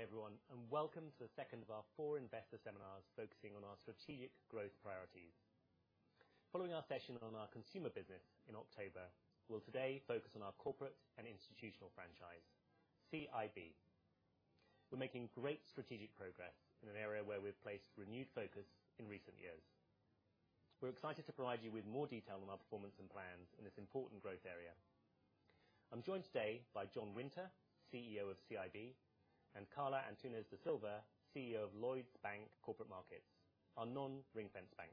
Good evening, everyone, and welcome to the second of our four investor seminars focusing on our strategic growth priorities. Following our session on our consumer business in October, we'll today focus on our corporate and institutional franchise, CIB. We're making great strategic progress in an area where we've placed renewed focus in recent years. We're excited to provide you with more detail on our performance and plans in this important growth area. I'm joined today by John Winter, CEO of CIB, and Carla Antunes da Silva, CEO of Lloyds Bank Corporate Markets, our non-ring-fenced bank.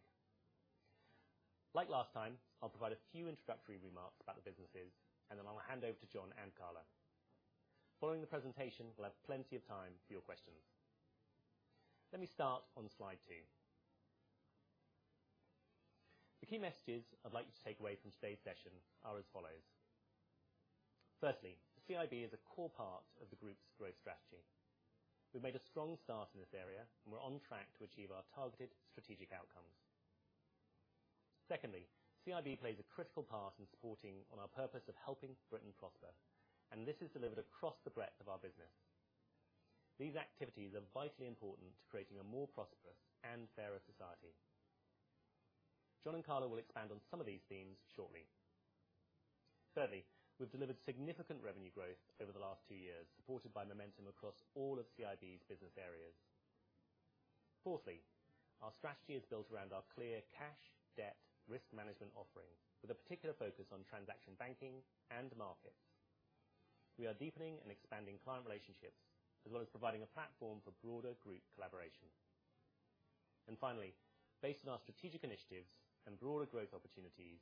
Like last time, I'll provide a few introductory remarks about the businesses, and then I'll hand over to John and Carla. Following the presentation, we'll have plenty of time for your questions. Let me start on slide two. The key messages I'd like you to take away from today's session are as follows: firstly, CIB is a core part of the group's growth strategy. We've made a strong start in this area, and we're on track to achieve our targeted strategic outcomes. Secondly, CIB plays a critical part in supporting our purpose of helping Britain prosper, and this is delivered across the breadth of our business. These activities are vitally important to creating a more prosperous and fairer society. John and Carla will expand on some of these themes shortly. Thirdly, we've delivered significant revenue growth over the last two years, supported by momentum across all of CIB's business areas. Fourthly, our strategy is built around our clear cash, debt, risk management offering, with a particular focus on transaction banking and markets. We are deepening and expanding client relationships, as well as providing a platform for broader group collaboration. And finally, based on our strategic initiatives and broader growth opportunities,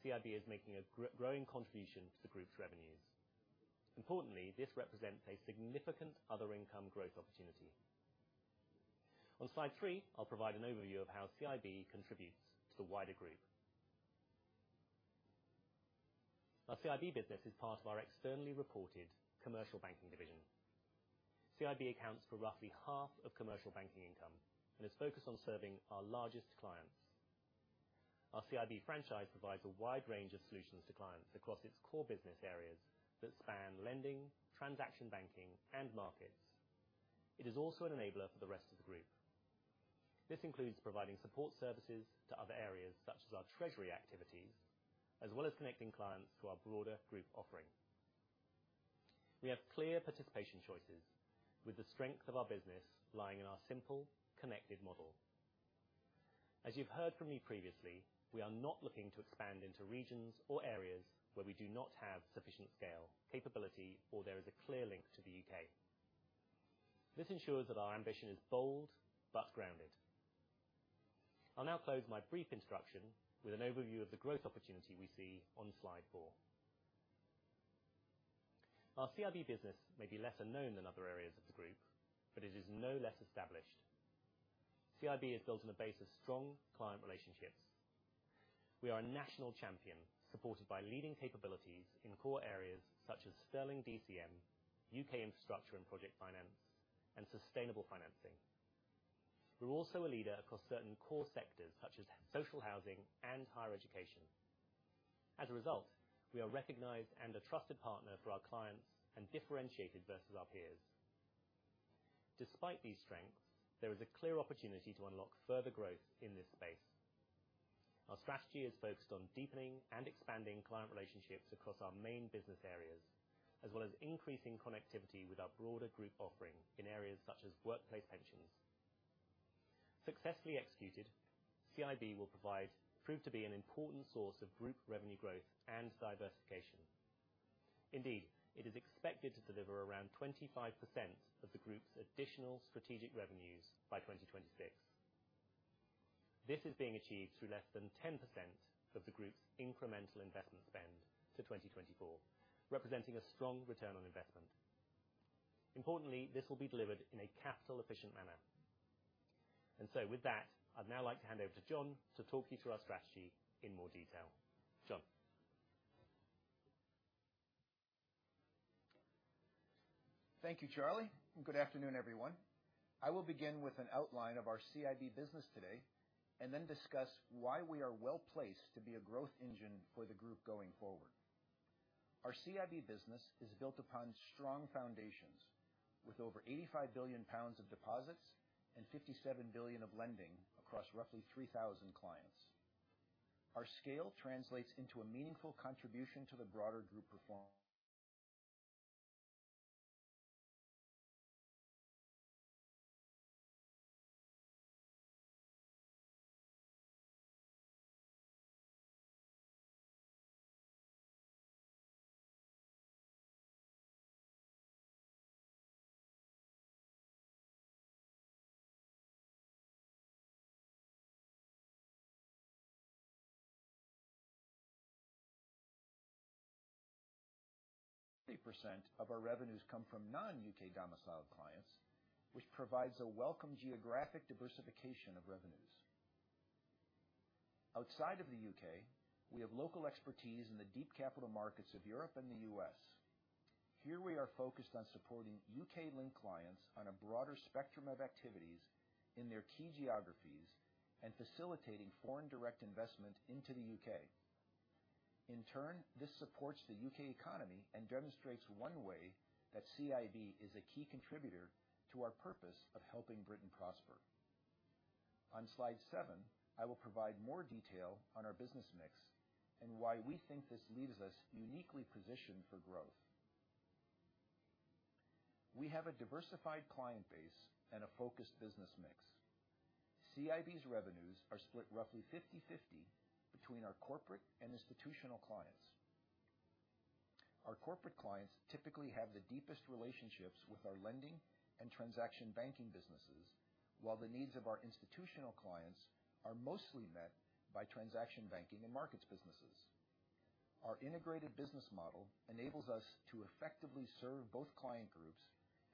CIB is making a growing contribution to the group's revenues. Importantly, this represents a significant other income growth opportunity. On slide three, I'll provide an overview of how CIB contributes to the wider group. Our CIB business is part of our externally reported commercial banking division. CIB accounts for roughly half of commercial banking income and is focused on serving our largest clients. Our CIB franchise provides a wide range of solutions to clients across its core business areas that span lending, transaction banking, and markets. It is also an enabler for the rest of the group. This includes providing support services to other areas, such as our treasury activities, as well as connecting clients to our broader group offering. We have clear participation choices with the strength of our business lying in our simple, connected model. As you've heard from me previously, we are not looking to expand into regions or areas where we do not have sufficient scale, capability, or there is a clear link to the U.K.. This ensures that our ambition is bold, but grounded. I'll now close my brief introduction with an overview of the growth opportunity we see on slide four. Our CIB business may be lesser known than other areas of the group, but it is no less established. CIB is built on a base of strong client relationships. We are a national champion, supported by leading capabilities in core areas such as Sterling DCM, U.K. infrastructure and project finance, and sustainable financing. We're also a leader across certain core sectors, such as social housing and higher education. As a result, we are recognized as a trusted partner for our clients and differentiated versus our peers. Despite these strengths, there is a clear opportunity to unlock further growth in this space. Our strategy is focused on deepening and expanding client relationships across our main business areas, as well as increasing connectivity with our broader group offering in areas such as workplace pensions. Successfully executed, CIB will prove to be an important source of group revenue growth and diversification. Indeed, it is expected to deliver around 25% of the group's additional strategic revenues by 2026. This is being achieved through less than 10% of the group's incremental investment spend to 2024, representing a strong return on investment. Importantly, this will be delivered in a capital-efficient manner. And so with that, I'd now like to hand over to John to talk you through our strategy in more detail. John? Thank you, Charlie, and good afternoon, everyone. I will begin with an outline of our CIB business today, and then discuss why we are well placed to be a growth engine for the group going forward. Our CIB business is built upon strong foundations, with over 85 billion pounds of deposits and 57 billion of lending across roughly 3,000 clients. Our scale translates into a meaningful contribution to the broader group performance 30% of our revenues come from non-U.K. domiciled clients, which provides a welcome geographic diversification of revenues. Outside of the U.K., we have local expertise in the deep capital markets of Europe and the U.S. Here, we are focused on supporting U.K.-linked clients on a broader spectrum of activities in their key geographies and facilitating foreign direct investment into the U.K. In turn, this supports the U.K. economy and demonstrates one way that CIB is a key contributor to our purpose of helping Britain prosper. On slide seven, I will provide more detail on our business mix and why we think this leaves us uniquely positioned for growth. We have a diversified client base and a focused business mix. CIB's revenues are split roughly 50/50 between our corporate and institutional clients. Our corporate clients typically have the deepest relationships with our lending and transaction banking businesses, while the needs of our institutional clients are mostly met by transaction banking and markets businesses. Our integrated business model enables us to effectively serve both client groups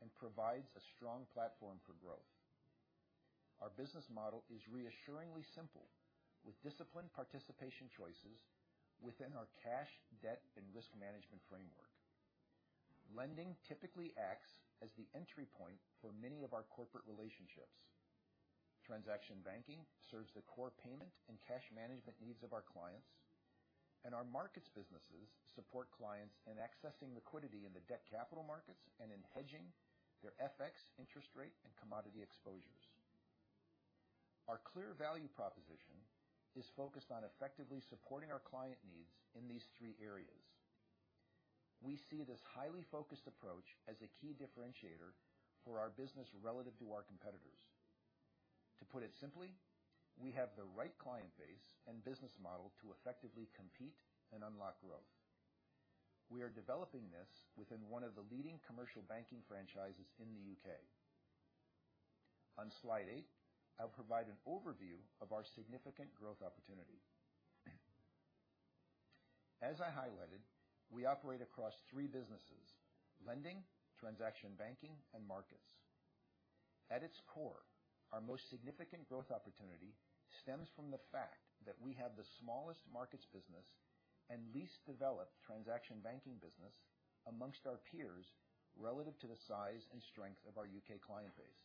and provides a strong platform for growth. Our business model is reassuringly simple, with disciplined participation choices within our cash, debt, and risk management framework. Lending typically acts as the entry point for many of our corporate relationships. Transaction banking serves the core payment and cash management needs of our clients, and our markets businesses support clients in accessing liquidity in the debt capital markets and in hedging their FX interest rate and commodity exposures. Our clear value proposition is focused on effectively supporting our client needs in these three areas. We see this highly focused approach as a key differentiator for our business relative to our competitors. To put it simply, we have the right client base and business model to effectively compete and unlock growth. We are developing this within one of the leading commercial banking franchises in the U.K. On Slide eight, I'll provide an overview of our significant growth opportunity. As I highlighted, we operate across three businesses: lending, transaction banking, and markets. At its core, our most significant growth opportunity stems from the fact that we have the smallest markets business and least developed transaction banking business among our peers, relative to the size and strength of our U.K. client base.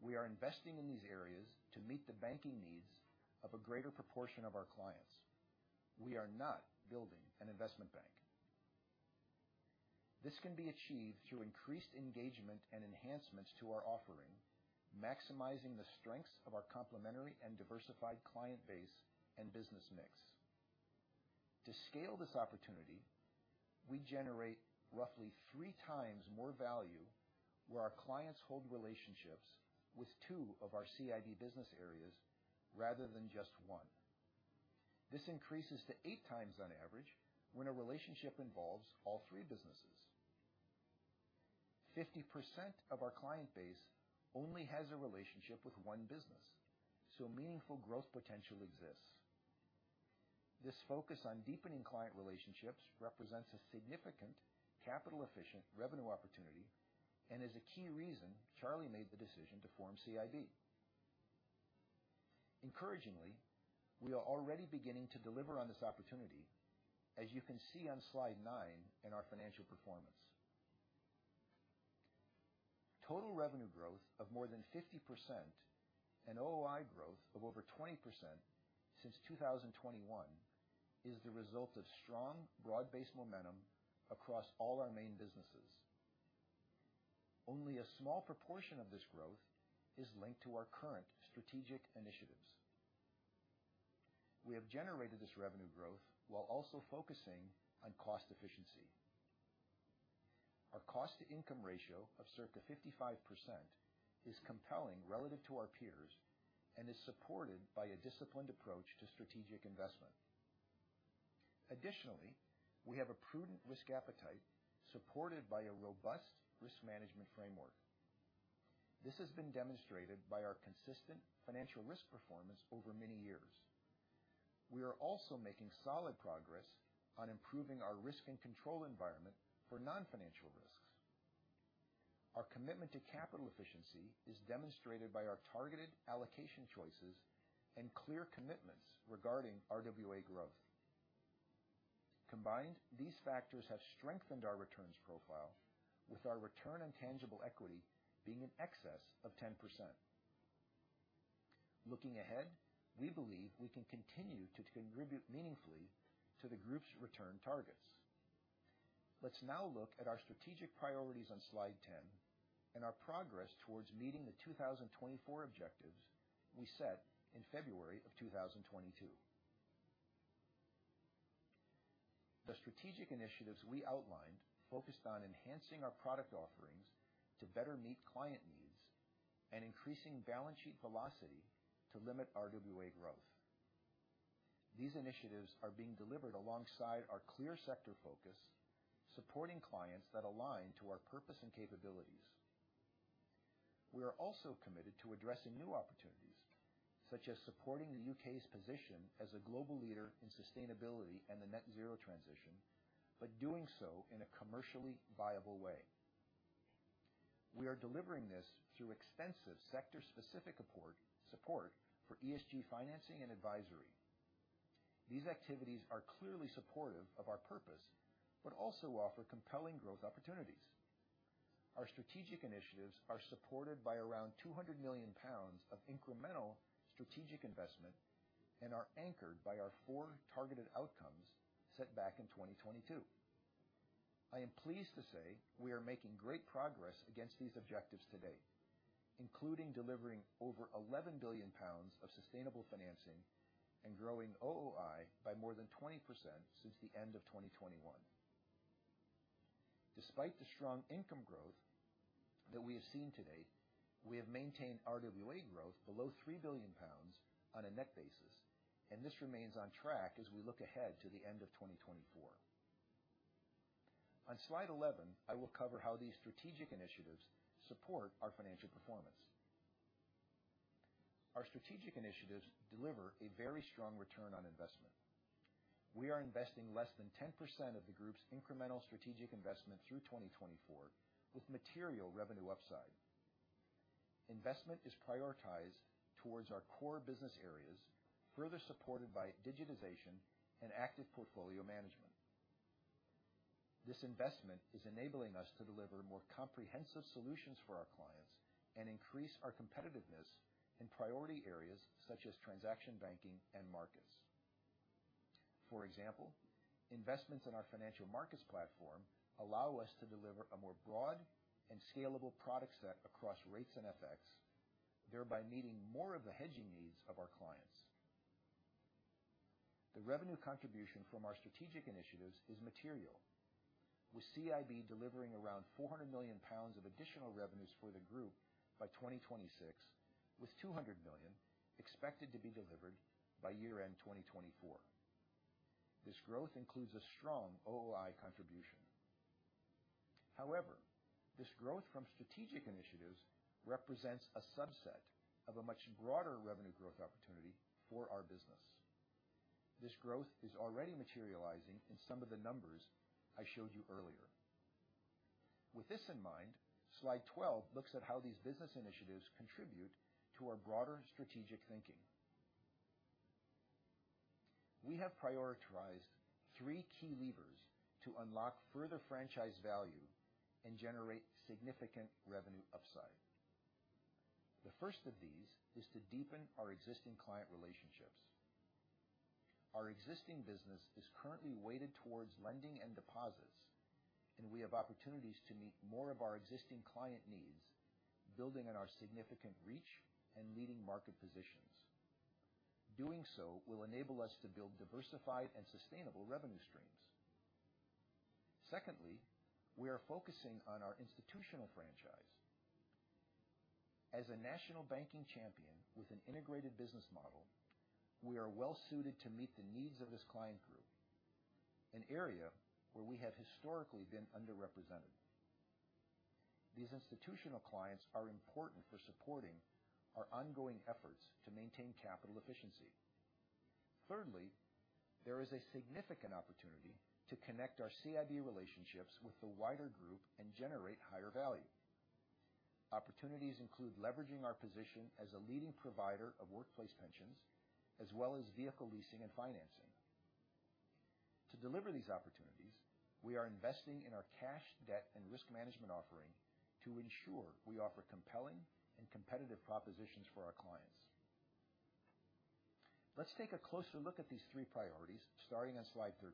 We are investing in these areas to meet the banking needs of a greater proportion of our clients. We are not building an investment bank. This can be achieved through increased engagement and enhancements to our offering, maximizing the strengths of our complementary and diversified client base and business mix. To scale this opportunity, we generate roughly three times more value where our clients hold relationships with two of our CIB business areas rather than just one. This increases to eight times on average, when a relationship involves all three businesses. 50% of our client base only has a relationship with one business, so meaningful growth potential exists. This focus on deepening client relationships represents a significant capital-efficient revenue opportunity and is a key reason Charlie made the decision to form CIB. Encouragingly, we are already beginning to deliver on this opportunity, as you can see on Slide 9 in our financial performance. Total revenue growth of more than 50% and OOI growth of over 20% since 2021 is the result of strong, broad-based momentum across all our main businesses. Only a small proportion of this growth is linked to our current strategic initiatives. We have generated this revenue growth while also focusing on cost efficiency. Our cost-to-income ratio of circa 55% is compelling relative to our peers and is supported by a disciplined approach to strategic investment. Additionally, we have a prudent risk appetite, supported by a robust risk management framework. This has been demonstrated by our consistent financial risk performance over many years. We are also making solid progress on improving our risk and control environment for non-financial risks. Our commitment to capital efficiency is demonstrated by our targeted allocation choices and clear commitments regarding RWA growth. Combined, these factors have strengthened our returns profile, with our return on tangible equity being in excess of 10%. Looking ahead, we believe we can continue to contribute meaningfully to the group's return targets. Let's now look at our strategic priorities on Slide 10 and our progress towards meeting the 2024 objectives we set in February of 2022. The strategic initiatives we outlined focused on enhancing our product offerings to better meet client needs and increasing balance sheet velocity to limit RWA growth. These initiatives are being delivered alongside our clear sector focus, supporting clients that align to our purpose and capabilities. We are also committed to addressing new opportunities, such as supporting the U.K.'s position as a global leader in sustainability and the net zero transition, but doing so in a commercially viable way. We are delivering this through extensive sector-specific support for ESG financing and advisory. These activities are clearly supportive of our purpose, but also offer compelling growth opportunities. Our strategic initiatives are supported by around 200 million pounds of incremental strategic investment and are anchored by our four targeted outcomes set back in 2022. I am pleased to say we are making great progress against these objectives to date, including delivering over 11 billion pounds of sustainable financing and growing OOI by more than 20% since the end of 2021. Despite the strong income growth that we have seen to date, we have maintained RWA growth below three billion pounds on a net basis, and this remains on track as we look ahead to the end of 2024. On slide 11, I will cover how these strategic initiatives support our financial performance. Our strategic initiatives deliver a very strong return on investment. We are investing less than 10% of the group's incremental strategic investment through 2024 with material revenue upside. Investment is prioritized towards our core business areas, further supported by digitization and active portfolio management. This investment is enabling us to deliver more comprehensive solutions for our clients and increase our competitiveness in priority areas such as transaction banking and markets. For example, investments in our financial markets platform allow us to deliver a more broad and scalable product set across rates and FX, thereby meeting more of the hedging needs of our clients. The revenue contribution from our strategic initiatives is material, with CIB delivering around 400 million pounds of additional revenues for the group by 2026, with 200 million expected to be delivered by year-end 2024. This growth includes a strong OOI contribution. However, this growth from strategic initiatives represents a subset of a much broader revenue growth opportunity for our business. This growth is already materializing in some of the numbers I showed you earlier. With this in mind, slide 12 looks at how these business initiatives contribute to our broader strategic thinking. We have prioritized 3 key levers to unlock further franchise value and generate significant revenue upside. The first of these is to deepen our existing client relationships. Our existing business is currently weighted towards lending and deposits, and we have opportunities to meet more of our existing client needs, building on our significant reach and leading market positions. Doing so will enable us to build diversified and sustainable revenue streams. Secondly, we are focusing on our institutional franchise. As a national banking champion with an integrated business model, we are well suited to meet the needs of this client group, an area where we have historically been underrepresented. These institutional clients are important for supporting our ongoing efforts to maintain capital efficiency. Thirdly, there is a significant opportunity to connect our CIB relationships with the wider group and generate higher value. Opportunities include leveraging our position as a leading provider of workplace pensions, as well as vehicle leasing and financing. To deliver these opportunities, we are investing in our cash, debt, and risk management offering to ensure we offer compelling and competitive propositions for our clients. Let's take a closer look at these three priorities, starting on slide 13.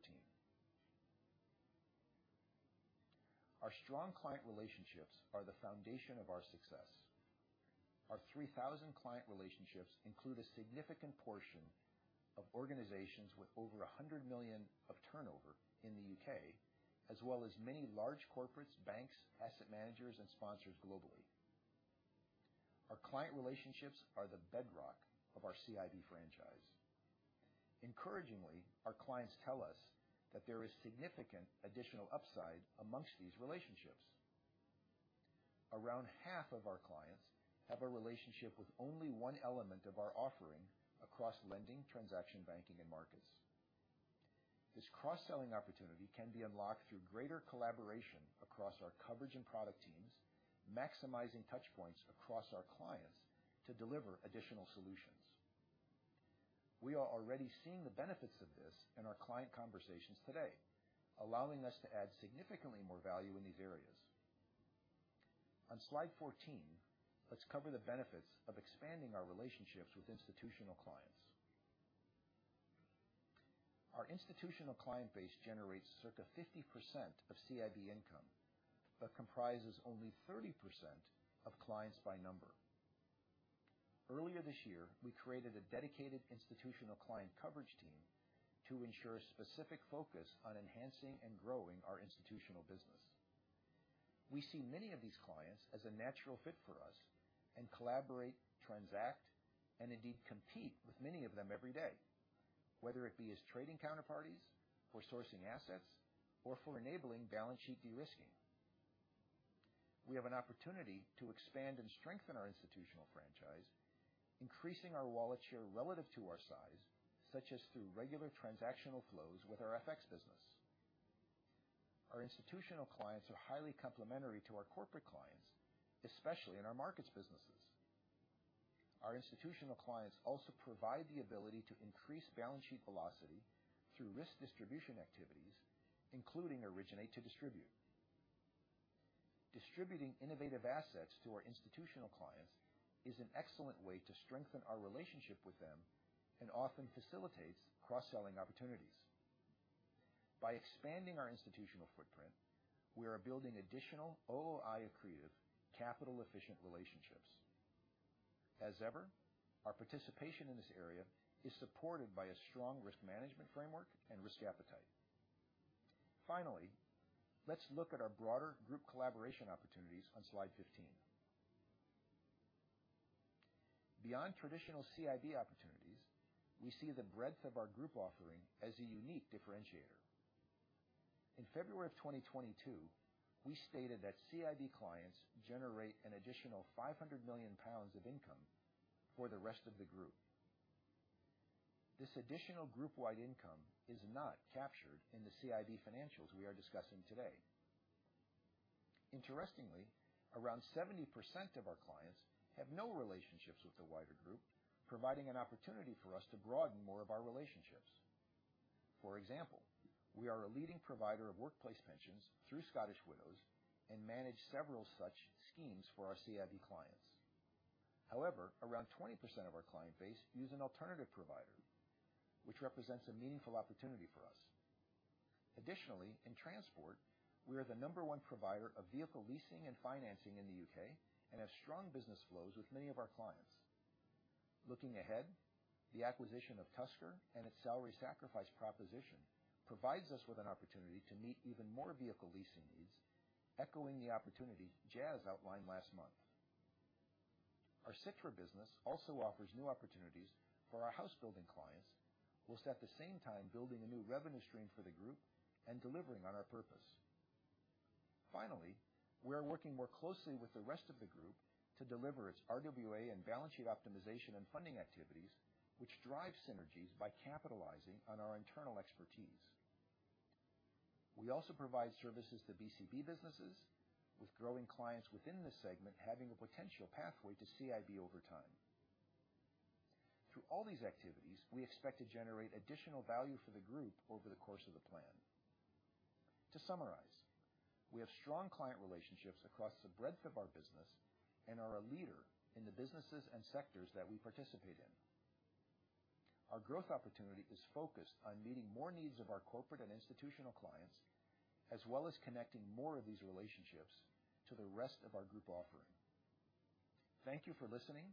Our strong client relationships are the foundation of our success. Our 3,000 client relationships include a significant portion of organizations with over 100 million of turnover in the U.K., as well as many large corporates, banks, asset managers, and sponsors globally. Our client relationships are the bedrock of our CIB franchise. Encouragingly, our clients tell us that there is significant additional upside among these relationships. Around half of our clients have a relationship with only one element of our offering across lending, transaction banking, and markets. This cross-selling opportunity can be unlocked through greater collaboration across our coverage and product teams, maximizing touchpoints across our clients to deliver additional solutions. We are already seeing the benefits of this in our client conversations today, allowing us to add significantly more value in these areas. On Slide 14, let's cover the benefits of expanding our relationships with institutional clients. Our institutional client base generates circa 50% of CIB income, but comprises only 30% of clients by number. Earlier this year, we created a dedicated institutional client coverage team to ensure specific focus on enhancing and growing our institutional business. We see many of these clients as a natural fit for us and collaborate, transact, and indeed compete with many of them every day, whether it be as trading counterparties, for sourcing assets, or for enabling balance sheet de-risking. We have an opportunity to expand and strengthen our institutional franchise, increasing our wallet share relative to our size, such as through regular transactional flows with our FX business. Our institutional clients are highly complementary to our corporate clients, especially in our markets businesses. Our institutional clients also provide the ability to increase balance sheet velocity through risk distribution activities, including originate to distribute. Distributing innovative assets to our institutional clients is an excellent way to strengthen our relationship with them and often facilitates cross-selling opportunities. By expanding our institutional footprint, we are building additional OOI accretive, capital efficient relationships. As ever, our participation in this area is supported by a strong risk management framework and risk appetite. Finally, let's look at our broader group collaboration opportunities on slide 15. Beyond traditional CIB opportunities, we see the breadth of our group offering as a unique differentiator. In February of 2022, we stated that CIB clients generate an additional 500 million pounds of income for the rest of the group. This additional group-wide income is not captured in the CIB financials we are discussing today. Interestingly, around 70% of our clients have no relationships with the wider group, providing an opportunity for us to broaden more of our relationships. For example, we are a leading provider of workplace pensions through Scottish Widows and manage several such schemes for our CIB clients. However, around 20% of our client base use an alternative provider, which represents a meaningful opportunity for us. Additionally, in transport, we are the number one provider of vehicle leasing and financing in the U.K. and have strong business flows with many of our clients. Looking ahead, the acquisition of Tusker and its salary sacrifice proposition provides us with an opportunity to meet even more vehicle leasing needs, echoing the opportunity Jas outlined last month. Our Citra business also offers new opportunities for our house building clients, while at the same time building a new revenue stream for the group and delivering on our purpose. Finally, we are working more closely with the rest of the group to deliver its RWA and balance sheet optimization and funding activities, which drive synergies by capitalizing on our internal expertise. We also provide services to BCB businesses, with growing clients within this segment having a potential pathway to CIB over time. Through all these activities, we expect to generate additional value for the group over the course of the plan. To summarize, we have strong client relationships across the breadth of our business and are a leader in the businesses and sectors that we participate in. Our growth opportunity is focused on meeting more needs of our corporate and institutional clients, as well as connecting more of these relationships to the rest of our group offering. Thank you for listening.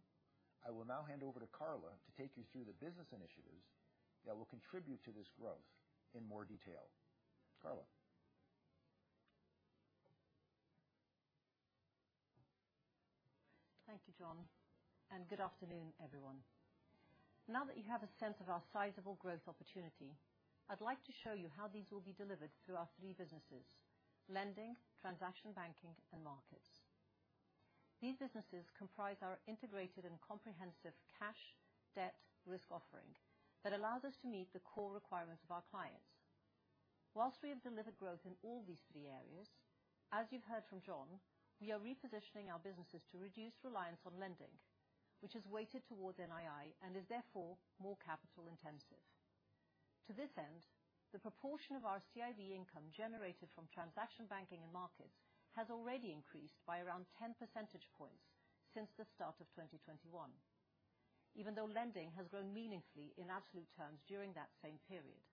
I will now hand over to Carla to take you through the business initiatives that will contribute to this growth in more detail. Carla? Thank you, John, and good afternoon, everyone. Now that you have a sense of our sizable growth opportunity, I'd like to show you how these will be delivered through our three businesses: lending, transaction banking, and markets. These businesses comprise our integrated and comprehensive cash, debt, risk offering that allows us to meet the core requirements of our clients. While we have delivered growth in all these three areas, as you've heard from John, we are repositioning our businesses to reduce reliance on lending, which is weighted towards NII and is therefore more capital intensive. To this end, the proportion of our CIB income generated from transaction banking and markets has already increased by around 10 percentage points since the start of 2021, even though lending has grown meaningfully in absolute terms during that same period.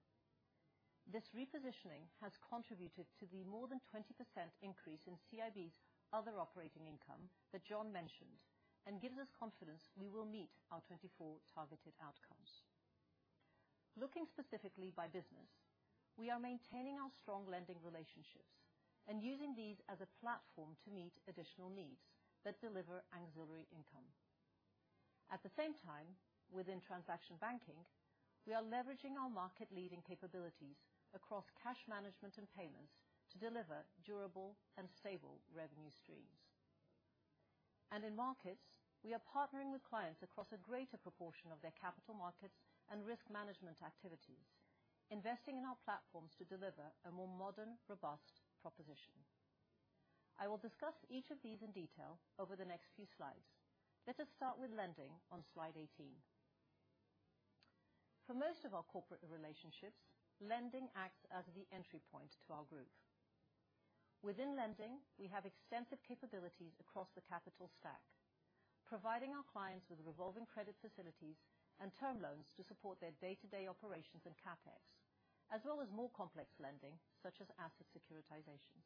This repositioning has contributed to the more than 20% increase in CIB's other operating income that John mentioned, and gives us confidence we will meet our 2024 targeted outcomes. Looking specifically by business, we are maintaining our strong lending relationships and using these as a platform to meet additional needs that deliver auxiliary income. At the same time, within transaction banking, we are leveraging our market leading capabilities across cash management and payments to deliver durable and stable revenue streams. In markets, we are partnering with clients across a greater proportion of their capital markets and risk management activities, investing in our platforms to deliver a more modern, robust proposition. I will discuss each of these in detail over the next few slides. Let us start with lending on slide 18. For most of our corporate relationships, lending acts as the entry point to our group. Within lending, we have extensive capabilities across the capital stack, providing our clients with revolving credit facilities and term loans to support their day-to-day operations and CapEx, as well as more complex lending, such as asset securitizations.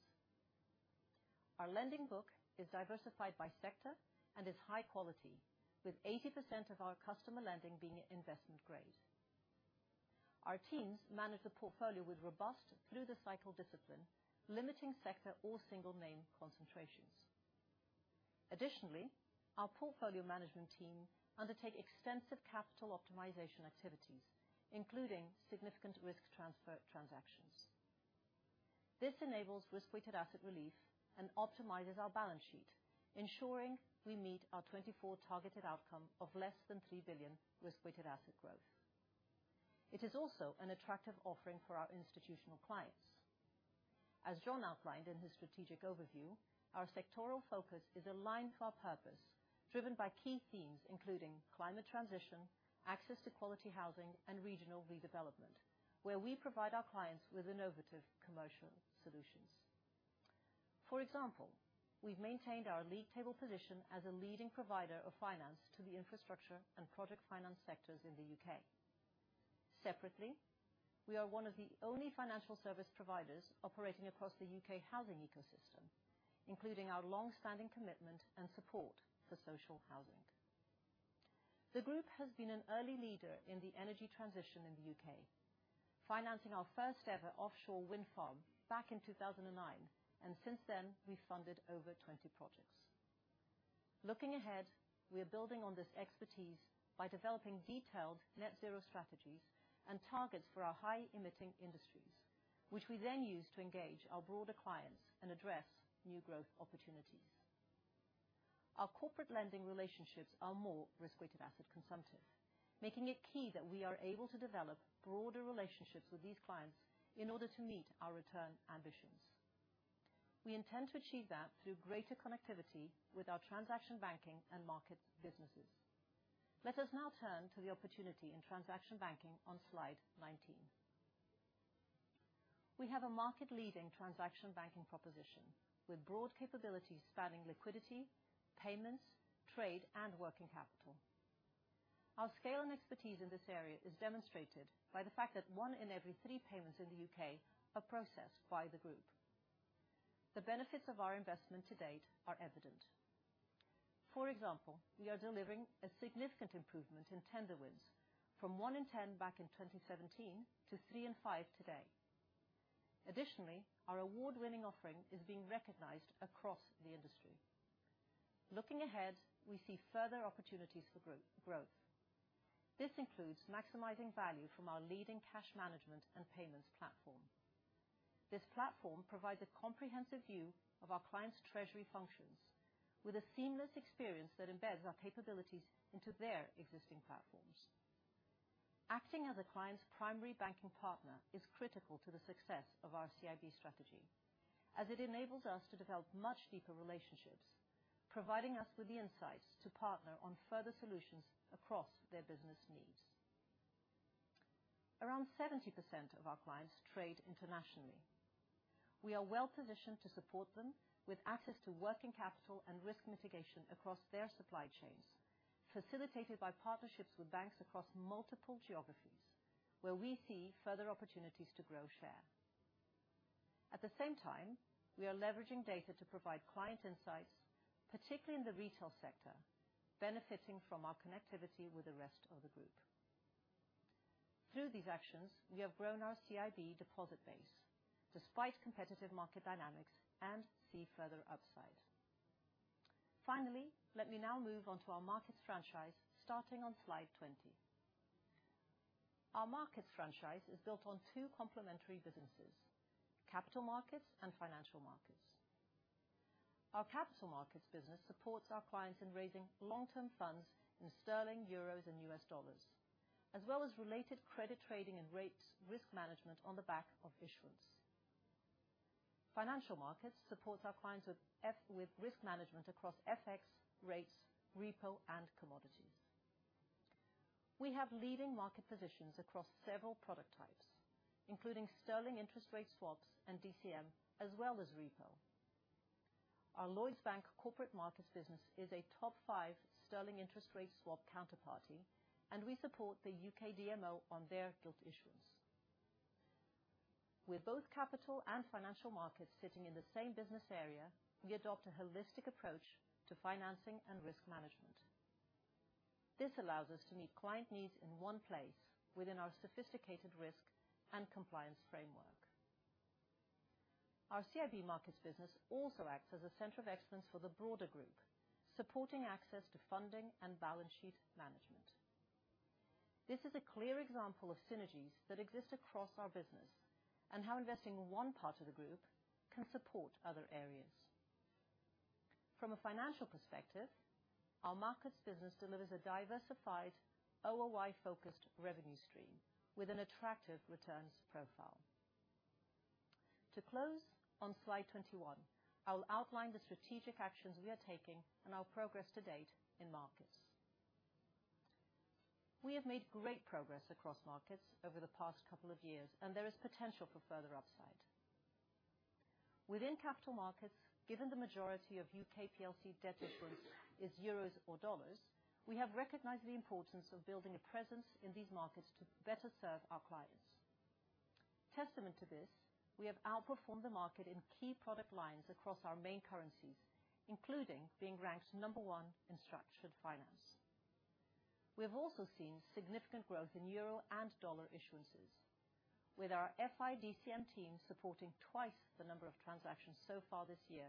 Our lending book is diversified by sector and is high quality, with 80% of our customer lending being investment grade. Our teams manage the portfolio with robust through-the-cycle discipline, limiting sector or single name concentrations. Additionally, our portfolio management team undertake extensive capital optimization activities, including significant risk transfer transactions. This enables risk-weighted asset relief and optimizes our balance sheet, ensuring we meet our 2024 targeted outcome of less than three billion risk-weighted asset growth. It is also an attractive offering for our institutional clients. As John outlined in his strategic overview, our sectoral focus is aligned to our purpose, driven by key themes, including climate transition, access to quality housing, and regional redevelopment, where we provide our clients with innovative commercial solutions. For example, we've maintained our lead table position as a leading provider of finance to the infrastructure and project finance sectors in the U.K.. Separately, we are one of the only financial service providers operating across the U.K. housing ecosystem, including our long-standing commitment and support for social housing. The group has been an early leader in the energy transition in the U.K., financing our first-ever offshore wind farm back in 2009, and since then, we've funded over 20 projects. Looking ahead, we are building on this expertise by developing detailed Net Zero strategies and targets for our high-emitting industries, which we then use to engage our broader clients and address new growth opportunities. Our corporate lending relationships are more Risk-Weighted Assets consumptive, making it key that we are able to develop broader relationships with these clients in order to meet our return ambitions. We intend to achieve that through greater connectivity with our Transaction Banking and market businesses. Let us now turn to the opportunity in Transaction Banking on slide 19. We have a market-leading Transaction Banking proposition, with broad capabilities spanning liquidity, payments, trade, and working capital. Our scale and expertise in this area is demonstrated by the fact that one in every three payments in the U.K. are processed by the group. The benefits of our investment to date are evident. For example, we are delivering a significant improvement in tender wins from one in 10 back in 2017 to three in five today. Additionally, our award-winning offering is being recognized across the industry. Looking ahead, we see further opportunities for growth. This includes maximizing value from our leading cash management and payments platform. This platform provides a comprehensive view of our clients' treasury functions, with a seamless experience that embeds our capabilities into their existing platforms. Acting as a client's primary banking partner is critical to the success of our CIB strategy, as it enables us to develop much deeper relationships, providing us with the insights to partner on further solutions across their business needs. Around 70% of our clients trade internationally. We are well-positioned to support them with access to working capital and risk mitigation across their supply chains, facilitated by partnerships with banks across multiple geographies, where we see further opportunities to grow share. At the same time, we are leveraging data to provide client insights, particularly in the retail sector, benefiting from our connectivity with the rest of the group. Through these actions, we have grown our CIB deposit base, despite competitive market dynamics, and see further upside. Finally, let me now move on to our markets franchise, starting on slide 20. Our markets franchise is built on two complementary businesses, capital markets and financial markets. Our capital markets business supports our clients in raising long-term funds in sterling, euros, and U.S. dollars, as well as related credit trading and rates risk management on the back of issuance. Financial Markets supports our clients with with risk management across FX, rates, repo, and commodities. We have leading market positions across several product types, including sterling interest rate swaps and DCM, as well as repo. Our Lloyds Bank Corporate Markets business is a top five sterling interest rate swap counterparty, and we support the U.K. DMO on their gilt issuance. With both Capital Markets and Financial Markets sitting in the same business area, we adopt a holistic approach to financing and risk management. This allows us to meet client needs in one place within our sophisticated risk and compliance framework. Our CIB Markets business also acts as a center of excellence for the broader group, supporting access to funding and balance sheet management. This is a clear example of synergies that exist across our business, and how investing in one part of the group can support other areas. From a financial perspective, our markets business delivers a diversified, OOI-focused revenue stream with an attractive returns profile. To close, on slide 21, I will outline the strategic actions we are taking and our progress to date in markets. We have made great progress across markets over the past couple of years, and there is potential for further upside. Within capital markets, given the majority of U.K. PLC debt issuance is euros or dollars, we have recognized the importance of building a presence in these markets to better serve our clients. Testament to this, we have outperformed the market in key product lines across our main currencies, including being ranked number one in structured finance. We have also seen significant growth in euro and dollar issuances, with our FI DCM team supporting twice the number of transactions so far this year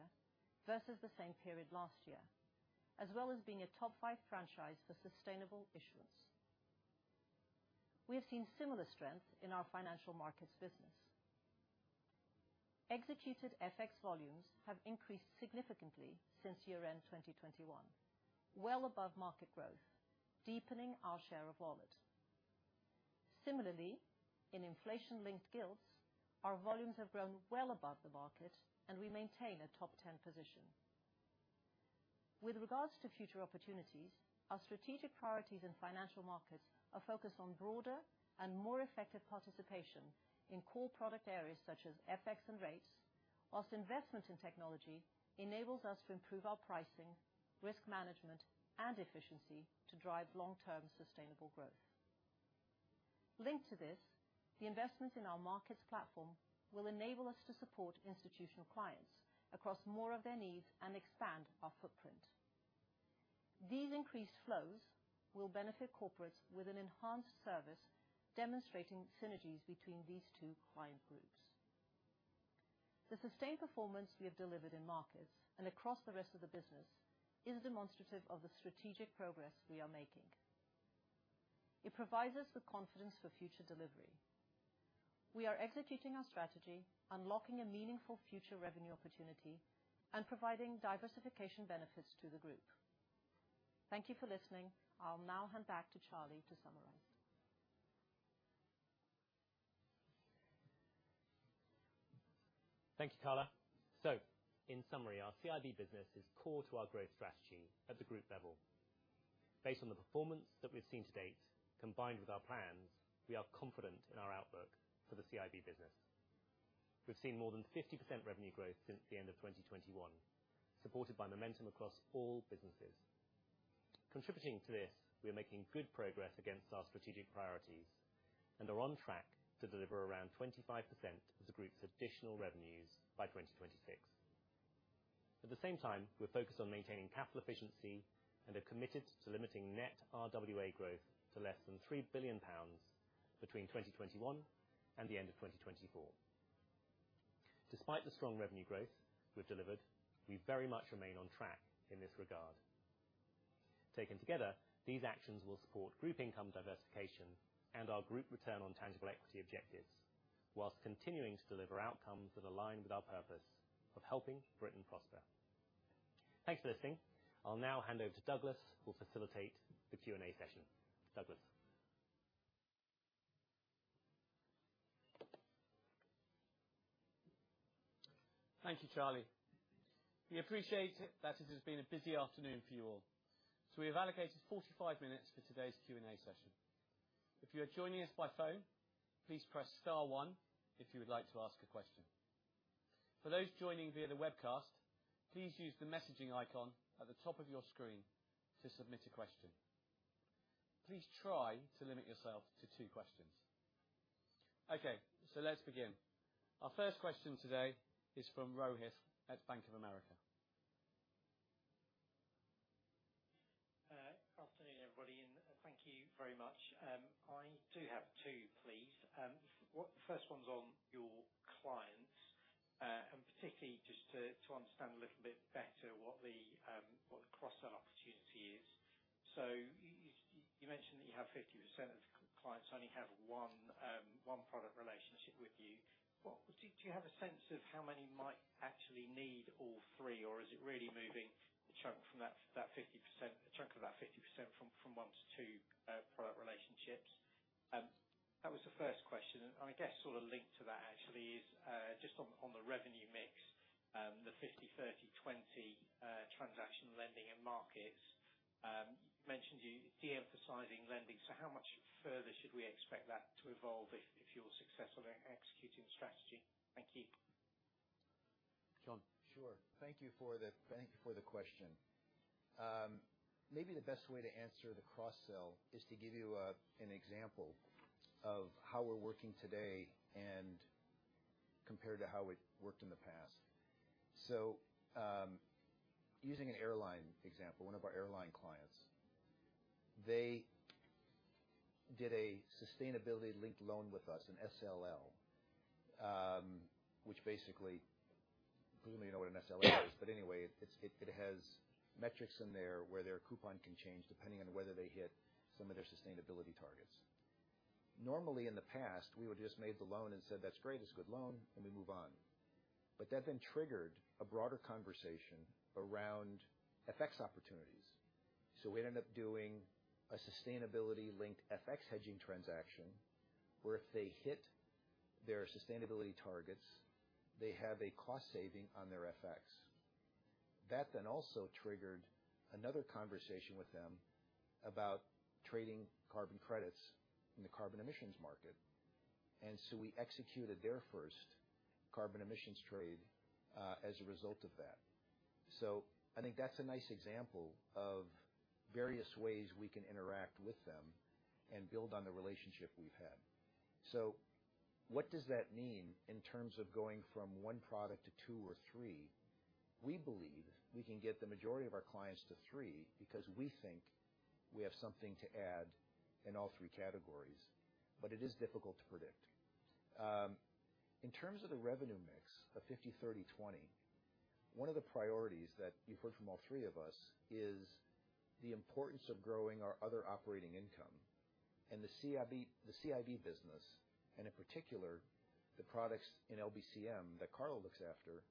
versus the same period last year, as well as being a top five franchise for sustainable issuance. We have seen similar strength in our financial markets business. Executed FX volumes have increased significantly since year-end 2021, well above market growth, deepening our share of wallet. Similarly, in inflation-linked gilts, our volumes have grown well above the market, and we maintain a top ten position. With regards to future opportunities, our strategic priorities in financial markets are focused on broader and more effective participation in core product areas such as FX and rates, while investment in technology enables us to improve our pricing, risk management, and efficiency to drive long-term sustainable growth. Linked to this, the investments in our markets platform will enable us to support institutional clients across more of their needs and expand our footprint. These increased flows will benefit corporates with an enhanced service, demonstrating synergies between these two client groups. The sustained performance we have delivered in markets and across the rest of the business is demonstrative of the strategic progress we are making. It provides us with confidence for future delivery. We are executing our strategy, unlocking a meaningful future revenue opportunity, and providing diversification benefits to the group. Thank you for listening. I'll now hand back to Charlie to summarize. Thank you, Carla. So in summary, our CIB business is core to our growth strategy at the group level. Based on the performance that we've seen to date, combined with our plans, we are confident in our outlook for the CIB business. We've seen more than 50% revenue growth since the end of 2021, supported by momentum across all businesses. Contributing to this, we are making good progress against our strategic priorities and are on track to deliver around 25% of the group's additional revenues by 2026. At the same time, we're focused on maintaining capital efficiency and are committed to limiting net RWA growth to less than three billion pounds between 2021 and the end of 2024. Despite the strong revenue growth we've delivered, we very much remain on track in this regard. Taken together, these actions will support group income diversification and our group return on tangible equity objectives, whilst continuing to deliver outcomes that align with our purpose of helping Britain prosper. Thanks for listening. I'll now hand over to Douglas, who will facilitate the Q&A session. Douglas? Thank you, Charlie. We appreciate that it has been a busy afternoon for you all, so we have allocated 45 minutes for today's Q&A session. If you are joining us by phone, please press star one if you would like to ask a question. For those joining via the webcast, please use the messaging icon at the top of your screen to submit a question. Please try to limit yourself to two questions. Okay, so let's begin. Our first question today is from Rohit at Bank of America. Afternoon, everybody, and thank you very much. I do have two, please. One—the first one's on your clients, and particularly just to understand a little bit better what the cross-sell opportunity is. So you mentioned that you have 50% of clients only have one product relationship with you. What? Do you have a sense of how many might actually need all three, or is it really moving the chunk from that 50%—chunk of that 50% from one to two product relationships? That was the first question, and I guess sort of linked to that actually is just on the revenue mix, the 50, 30, 20 transaction lending and markets. You mentioned you're de-emphasizing lending, so how much further should we expect that to evolve if you're successful in executing the strategy? Thank you. John? Sure. Thank you for the question. Maybe the best way to answer the cross-sell is to give you an example of how we're working today and compared to how we worked in the past. Using an airline example, one of our airline clients, they did a sustainability linked loan with us, an SLL, which basically, you know what an SLL is. But anyway, it has metrics in there where their coupon can change, depending on whether they hit some of their sustainability targets. Normally, in the past, we would just made the loan and said, "That's great, it's a good loan," and we move on. But that then triggered a broader conversation around FX opportunities, so we ended up doing a sustainability-linked FX hedging transaction, where if they hit their sustainability targets, they have a cost saving on their FX. That then also triggered another conversation with them about trading carbon credits in the carbon emissions market, and so we executed their first carbon emissions trade, as a result of that. So I think that's a nice example of various ways we can interact with them and build on the relationship we've had. So what does that mean in terms of going from one product to two or three? We believe we can get the majority of our clients to three, because we think we have something to add in all three categories, but it is difficult to predict. In terms of the revenue mix of 50, 30, 20, one of the priorities that you've heard from all three of us is the importance of growing our other operating income. And the CIB, the CIB business, and in particular, the products in LBCM that Carla looks after,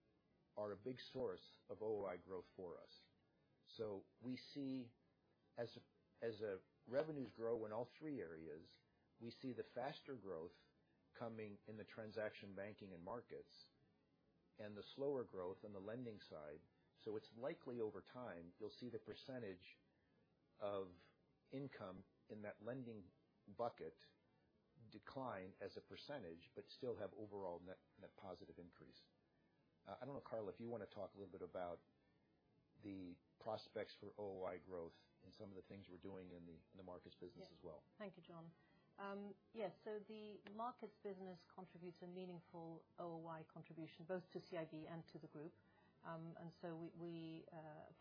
are a big source of OI growth for us. So we see as revenues grow in all three areas, we see the faster growth coming in the transaction banking and markets, and the slower growth on the lending side. So it's likely over time, you'll see the percentage of income in that lending bucket decline as a percentage, but still have overall net positive increase. I don't know, Carla, if you want to talk a little bit about the prospects for OOI growth and some of the things we're doing in the markets business as well. Thank you, John. Yes, so the markets business contributes a meaningful OOI contribution, both to CIB and to the group. And so we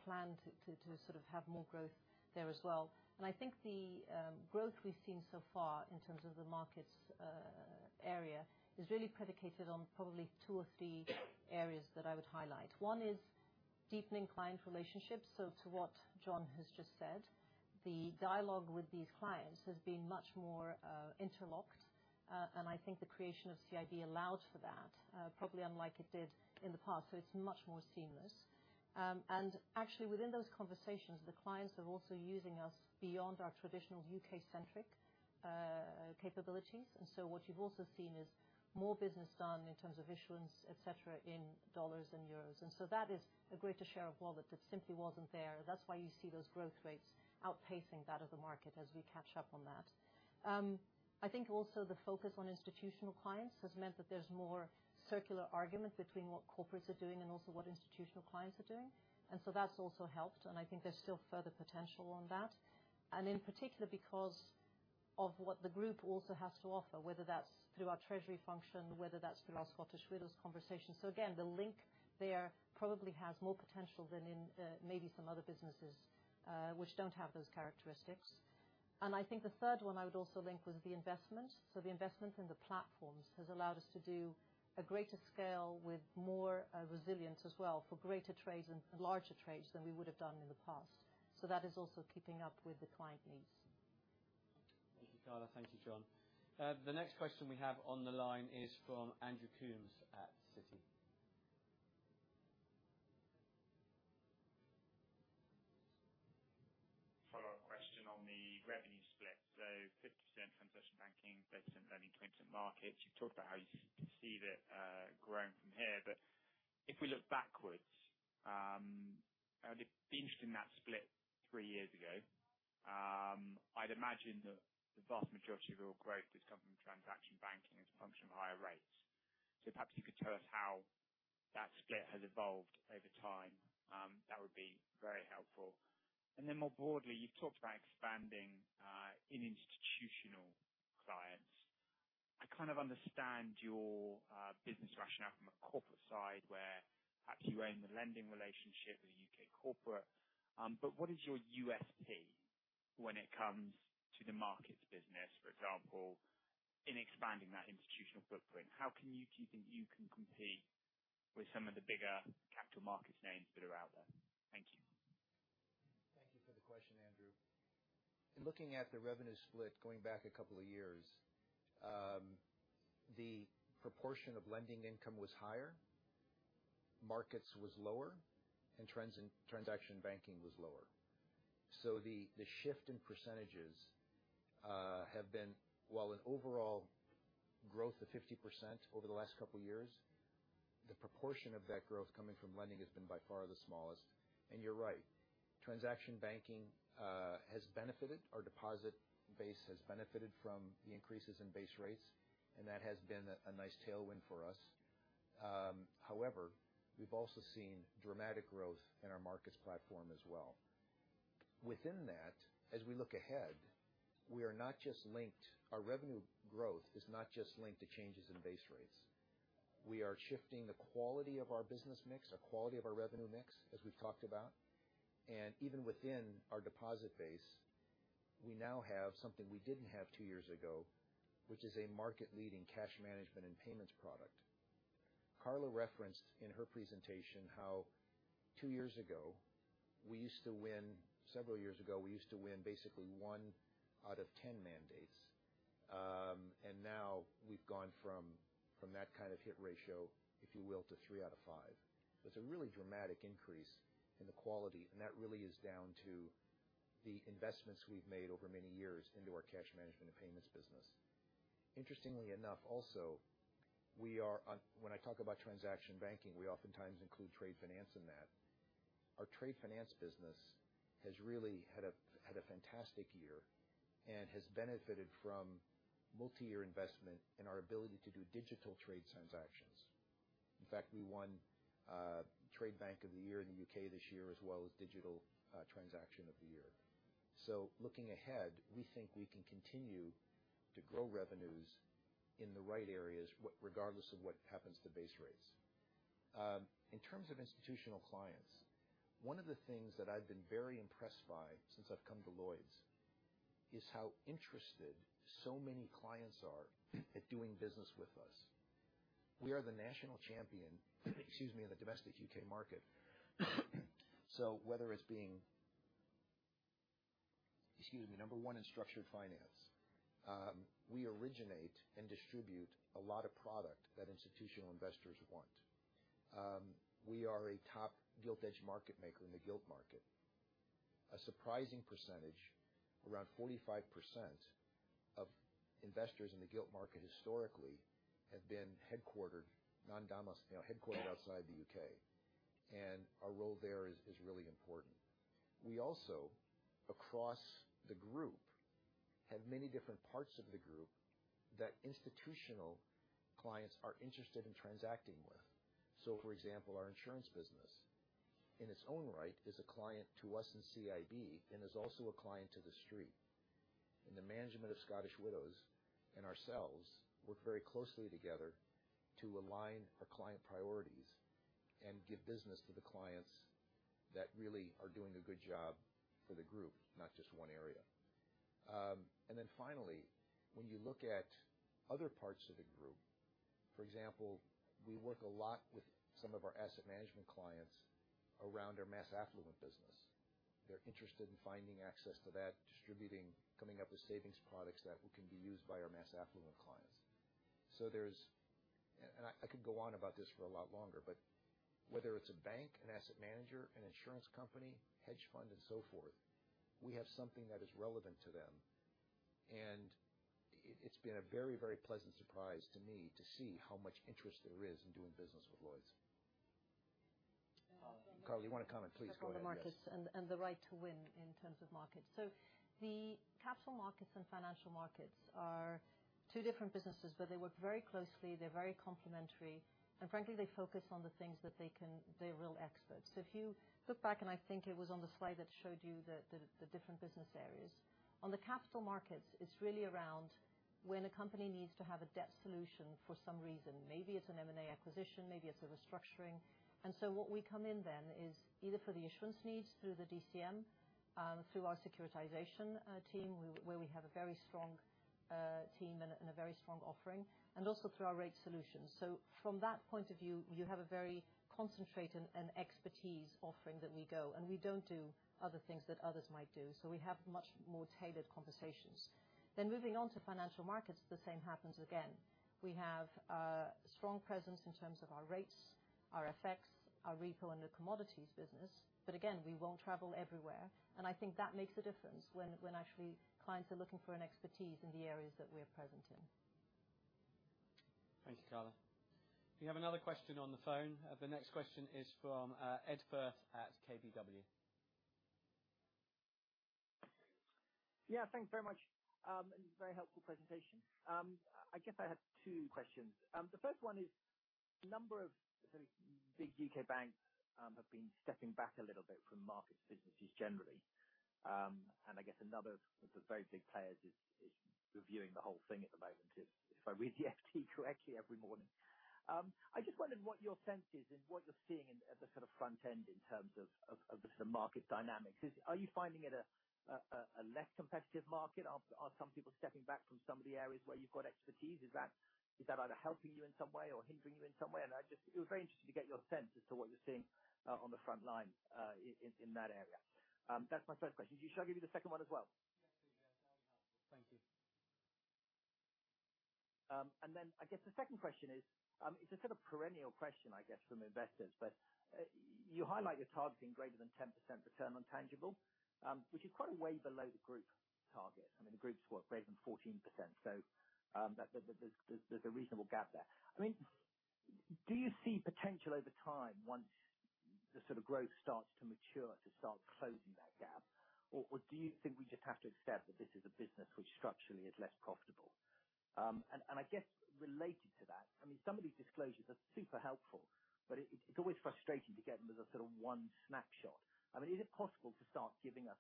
plan to sort of have more growth there as well. And I think the growth we've seen so far in terms of the markets area is really predicated on probably two or three areas that I would highlight. One is deepening client relationships. So to what John has just said, the dialogue with these clients has been much more interlocked, and I think the creation of CIB allowed for that, probably unlike it did in the past, so it's much more seamless. And actually, within those conversations, the clients are also using us beyond our traditional U.K.-centric capabilities. And so what you've also seen is more business done in terms of issuance, et cetera, in dollars and euros. And so that is a greater share of wallet that simply wasn't there. That's why you see those growth rates outpacing that of the market as we catch up on that. I think also the focus on institutional clients has meant that there's more circular argument between what corporates are doing and also what institutional clients are doing. And so that's also helped, and I think there's still further potential on that. And in particular, because of what the group also has to offer, whether that's through our treasury function, whether that's through our Scottish Widows conversation. So again, the link there probably has more potential than in, maybe some other businesses, which don't have those characteristics. And I think the third one I would also link was the investment. So the investment in the platforms has allowed us to do a greater scale with more, resilience as well for greater trades and larger trades than we would have done in the past. So that is also keeping up with the client needs. Thank you, Carla. Thank you, John. The next question we have on the line is from Andrew Coombs at Citi. Follow-up question on the revenue split. So 50% transaction banking, 30% lending, 20% markets. You've talked about how you see that growing from here, but if we look backwards, I'd be interested in that split three years ago. I'd imagine that the vast majority of your growth has come from transaction banking as a function of higher rates. So perhaps you could tell us how that split has evolved over time. That would be very helpful. And then more broadly, you've talked about expanding in institutional clients. I kind of understand your business rationale from a corporate side, where perhaps you own the lending relationship with a U.K. corporate. But what is your USP when it comes to the markets business, for example, in expanding that institutional footprint? Do you think you can compete with some of the bigger capital markets names that are out there? Thank you. Thank you for the question, Andrew. In looking at the revenue split, going back a couple of years, the proportion of lending income was higher, markets was lower, and transaction banking was lower. So the shift in percentages have been, while an overall growth of 50% over the last couple of years, the proportion of that growth coming from lending has been by far the smallest. And you're right, transaction banking has benefited. Our deposit base has benefited from the increases in base rates, and that has been a nice tailwind for us. However, we've also seen dramatic growth in our markets platform as well. Within that, as we look ahead, we are not just linked. Our revenue growth is not just linked to changes in base rates. We are shifting the quality of our business mix, the quality of our revenue mix, as we've talked about. Even within our deposit base, we now have something we didn't have two years ago, which is a market-leading cash management and payments product. Carla referenced in her presentation how two years ago, we used to win, several years ago, we used to win basically one out of 10 mandates. And now we've gone from that kind of hit ratio, if you will, to three out of five. It's a really dramatic increase in the quality, and that really is down to the investments we've made over many years into our cash management and payments business. Interestingly enough, also, we are. When I talk about transaction banking, we oftentimes include trade finance in that. Our trade finance business has really had a fantastic year and has benefited from multi-year investment in our ability to do digital trade transactions. In fact, we won Trade Bank of the Year in the U.K. this year, as well as Digital Transaction of the Year. So looking ahead, we think we can continue to grow revenues in the right areas, regardless of what happens to base rates. In terms of institutional clients, one of the things that I've been very impressed by since I've come to Lloyds is how interested so many clients are at doing business with us. We are the national champion, excuse me, in the domestic U.K. market. So whether it's number one in structured finance. We originate and distribute a lot of product that institutional investors want. We are a top gilt-edged market maker in the gilt market. A surprising percentage, around 45%, of investors in the gilt market historically have been headquartered, you know, headquartered outside the U.K., and our role there is really important. We also, across the group, have many different parts of the group that institutional clients are interested in transacting with. So, for example, our insurance business, in its own right, is a client to us in CIB and is also a client to the street. The management of Scottish Widows and ourselves work very closely together to align our client priorities and give business to the clients that really are doing a good job for the group, not just one area. and then finally, when you look at other parts of the group, for example, we work a lot with some of our asset management clients around our mass affluent business. They're interested in finding access to that, distributing, coming up with savings products that can be used by our mass affluent clients. So there's and I could go on about this for a lot longer, but whether it's a bank, an asset manager, an insurance company, hedge fund, and so forth, we have something that is relevant to them. And it's been a very, very pleasant surprise to me to see how much interest there is in doing business with Lloyds. Carla, you want to comment? Please go ahead, yes. The markets and the right to win in terms of markets. So the capital markets and financial markets are two different businesses, but they work very closely. They're very complementary, and frankly, they focus on the things that they can, they're real experts. So if you look back, and I think it was on the slide that showed you the different business areas. On the capital markets, it's really around when a company needs to have a debt solution for some reason. Maybe it's an M&A acquisition, maybe it's a restructuring. And so what we come in then is either for the issuance needs through the DCM, through our securitization team, where we have a very strong team and a very strong offering, and also through our rate solutions. So from that point of view, you have a very concentrated and expertise offering that we go, and we don't do other things that others might do, so we have much more tailored conversations. Then moving on to financial markets, the same happens again. We have a strong presence in terms of our rates, our FX, our repo, and the commodities business. But again, we won't travel everywhere, and I think that makes a difference when actually clients are looking for an expertise in the areas that we're present in. Thank you, Carla. We have another question on the phone. The next question is from Ed Firth at KBW. Yeah, thank you very much. Very helpful presentation. I guess I had two questions. The first one is, number of the big U.K. banks have been stepping back a little bit from markets businesses generally. And I guess another of the very big players is reviewing the whole thing at the moment, if I read the F.T. correctly every morning. I just wondered what your sense is and what you're seeing at the sort of front end in terms of the sort of market dynamics. Are you finding it a less competitive market? Are some people stepping back from some of the areas where you've got expertise? Is that either helping you in some way or hindering you in some way? And I just I was very interested to get your sense as to what you're seeing on the front line in that area. That's my first question. Should I give you the second one as well? Yes, please. That would be helpful. Thank you. And then I guess the second question is, it's a sort of perennial question, I guess, from investors, but, you highlight you're targeting greater than 10% return on tangible, which is quite a way below the group target. I mean, the group's, what? Greater than 14%. So, there's a reasonable gap there. I mean, do you see potential over time, once the sort of growth starts to mature, to start closing that gap? Or, do you think we just have to accept that this is a business which structurally is less profitable? And, I guess related to that, I mean, some of these disclosures are super helpful, but it's always frustrating to get them as a sort of one snapshot. I mean, is it possible to start giving us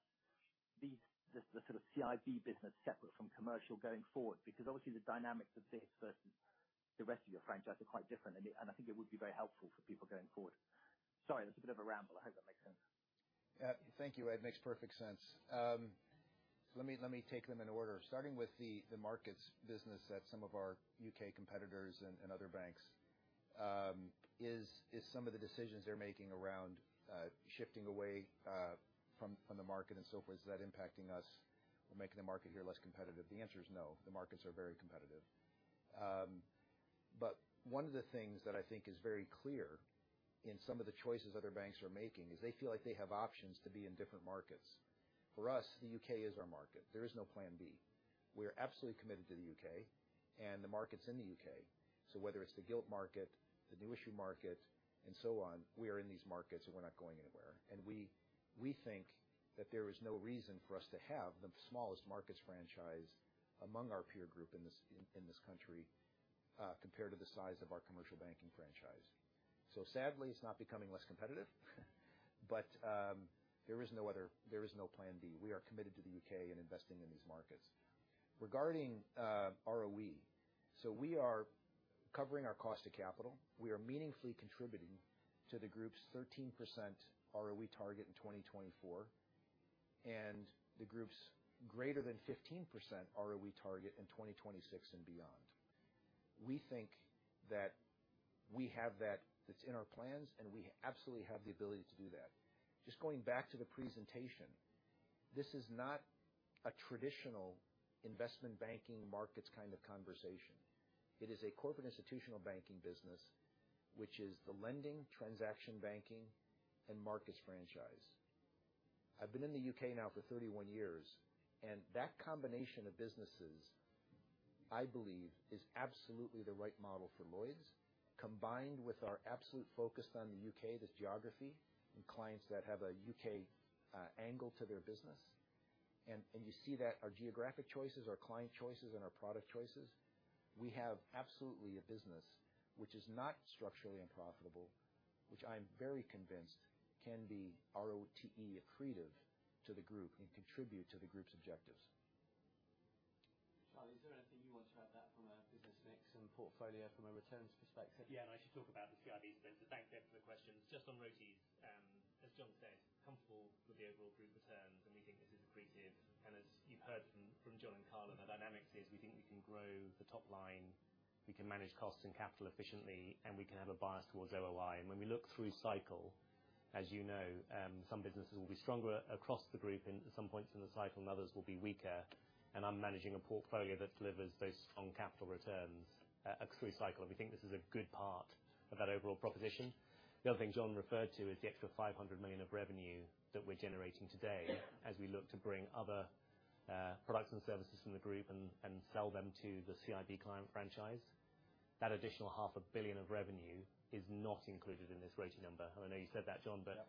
these, the sort of CIB business separate from commercial going forward? Because obviously the dynamics of this versus the rest of your franchise are quite different, and I think it would be very helpful for people going forward. Sorry, that's a bit of a ramble. I hope that makes sense. Thank you, Ed. Makes perfect sense. Let me, let me take them in order. Starting with the markets business that some of our U.K. competitors and other banks is some of the decisions they're making around shifting away from the market and so forth, is that impacting us or making the market here less competitive? The answer is no. The markets are very competitive. But one of the things that I think is very clear in some of the choices other banks are making, is they feel like they have options to be in different markets. For us, the U.K. is our market. There is no plan B. We are absolutely committed to the U.K. and the markets in the U.K.. So whether it's the gilt market, the new issue market, and so on, we are in these markets, and we're not going anywhere. And we think that there is no reason for us to have the smallest markets franchise among our peer group in this country, compared to the size of our commercial banking franchise. So sadly, it's not becoming less competitive, but there is no plan B. We are committed to the U.K. and investing in these markets. Regarding ROE, so we are covering our cost of capital. We are meaningfully contributing to the group's 13% ROE target in 2024, and the group's greater than 15% ROE target in 2026 and beyond. We think that we have that, that's in our plans, and we absolutely have the ability to do that. Just going back to the presentation, this is not a traditional investment banking markets kind of conversation. It is a corporate institutional banking business, which is the lending, transaction banking, and markets franchise. I've been in the U.K. now for 31 years, and that combination of businesses, I believe, is absolutely the right model for Lloyds, combined with our absolute focus on the U.K., this geography, and clients that have a U.K. angle to their business. And you see that our geographic choices, our client choices, and our product choices, we have absolutely a business which is not structurally unprofitable, which I'm very convinced can be ROTE accretive to the group and contribute to the group's objectives. Charlie, is there anything you want to add to that from a business mix and portfolio from a returns perspective? Yeah, and I should talk about the CIB business. So thank you for the question. Just on ROTEs, as John said, comfortable with the overall group returns, and we think this is accretive. And as you've heard from, from John and Carla, the dynamics is we think we can grow the top line, we can manage costs and capital efficiently, and we can have a bias towards ROI. And when we look through cycle, as you know, some businesses will be stronger across the group, and at some points in the cycle, others will be weaker. And I'm managing a portfolio that delivers those strong capital returns, through cycle. We think this is a good part of that overall proposition. The other thing John referred to is the extra 500 million of revenue that we're generating today as we look to bring other, products and services from the group and, and sell them to the CIB client franchise. That additional 500 million of revenue is not included in this ROTE number. I know you said that, John, but,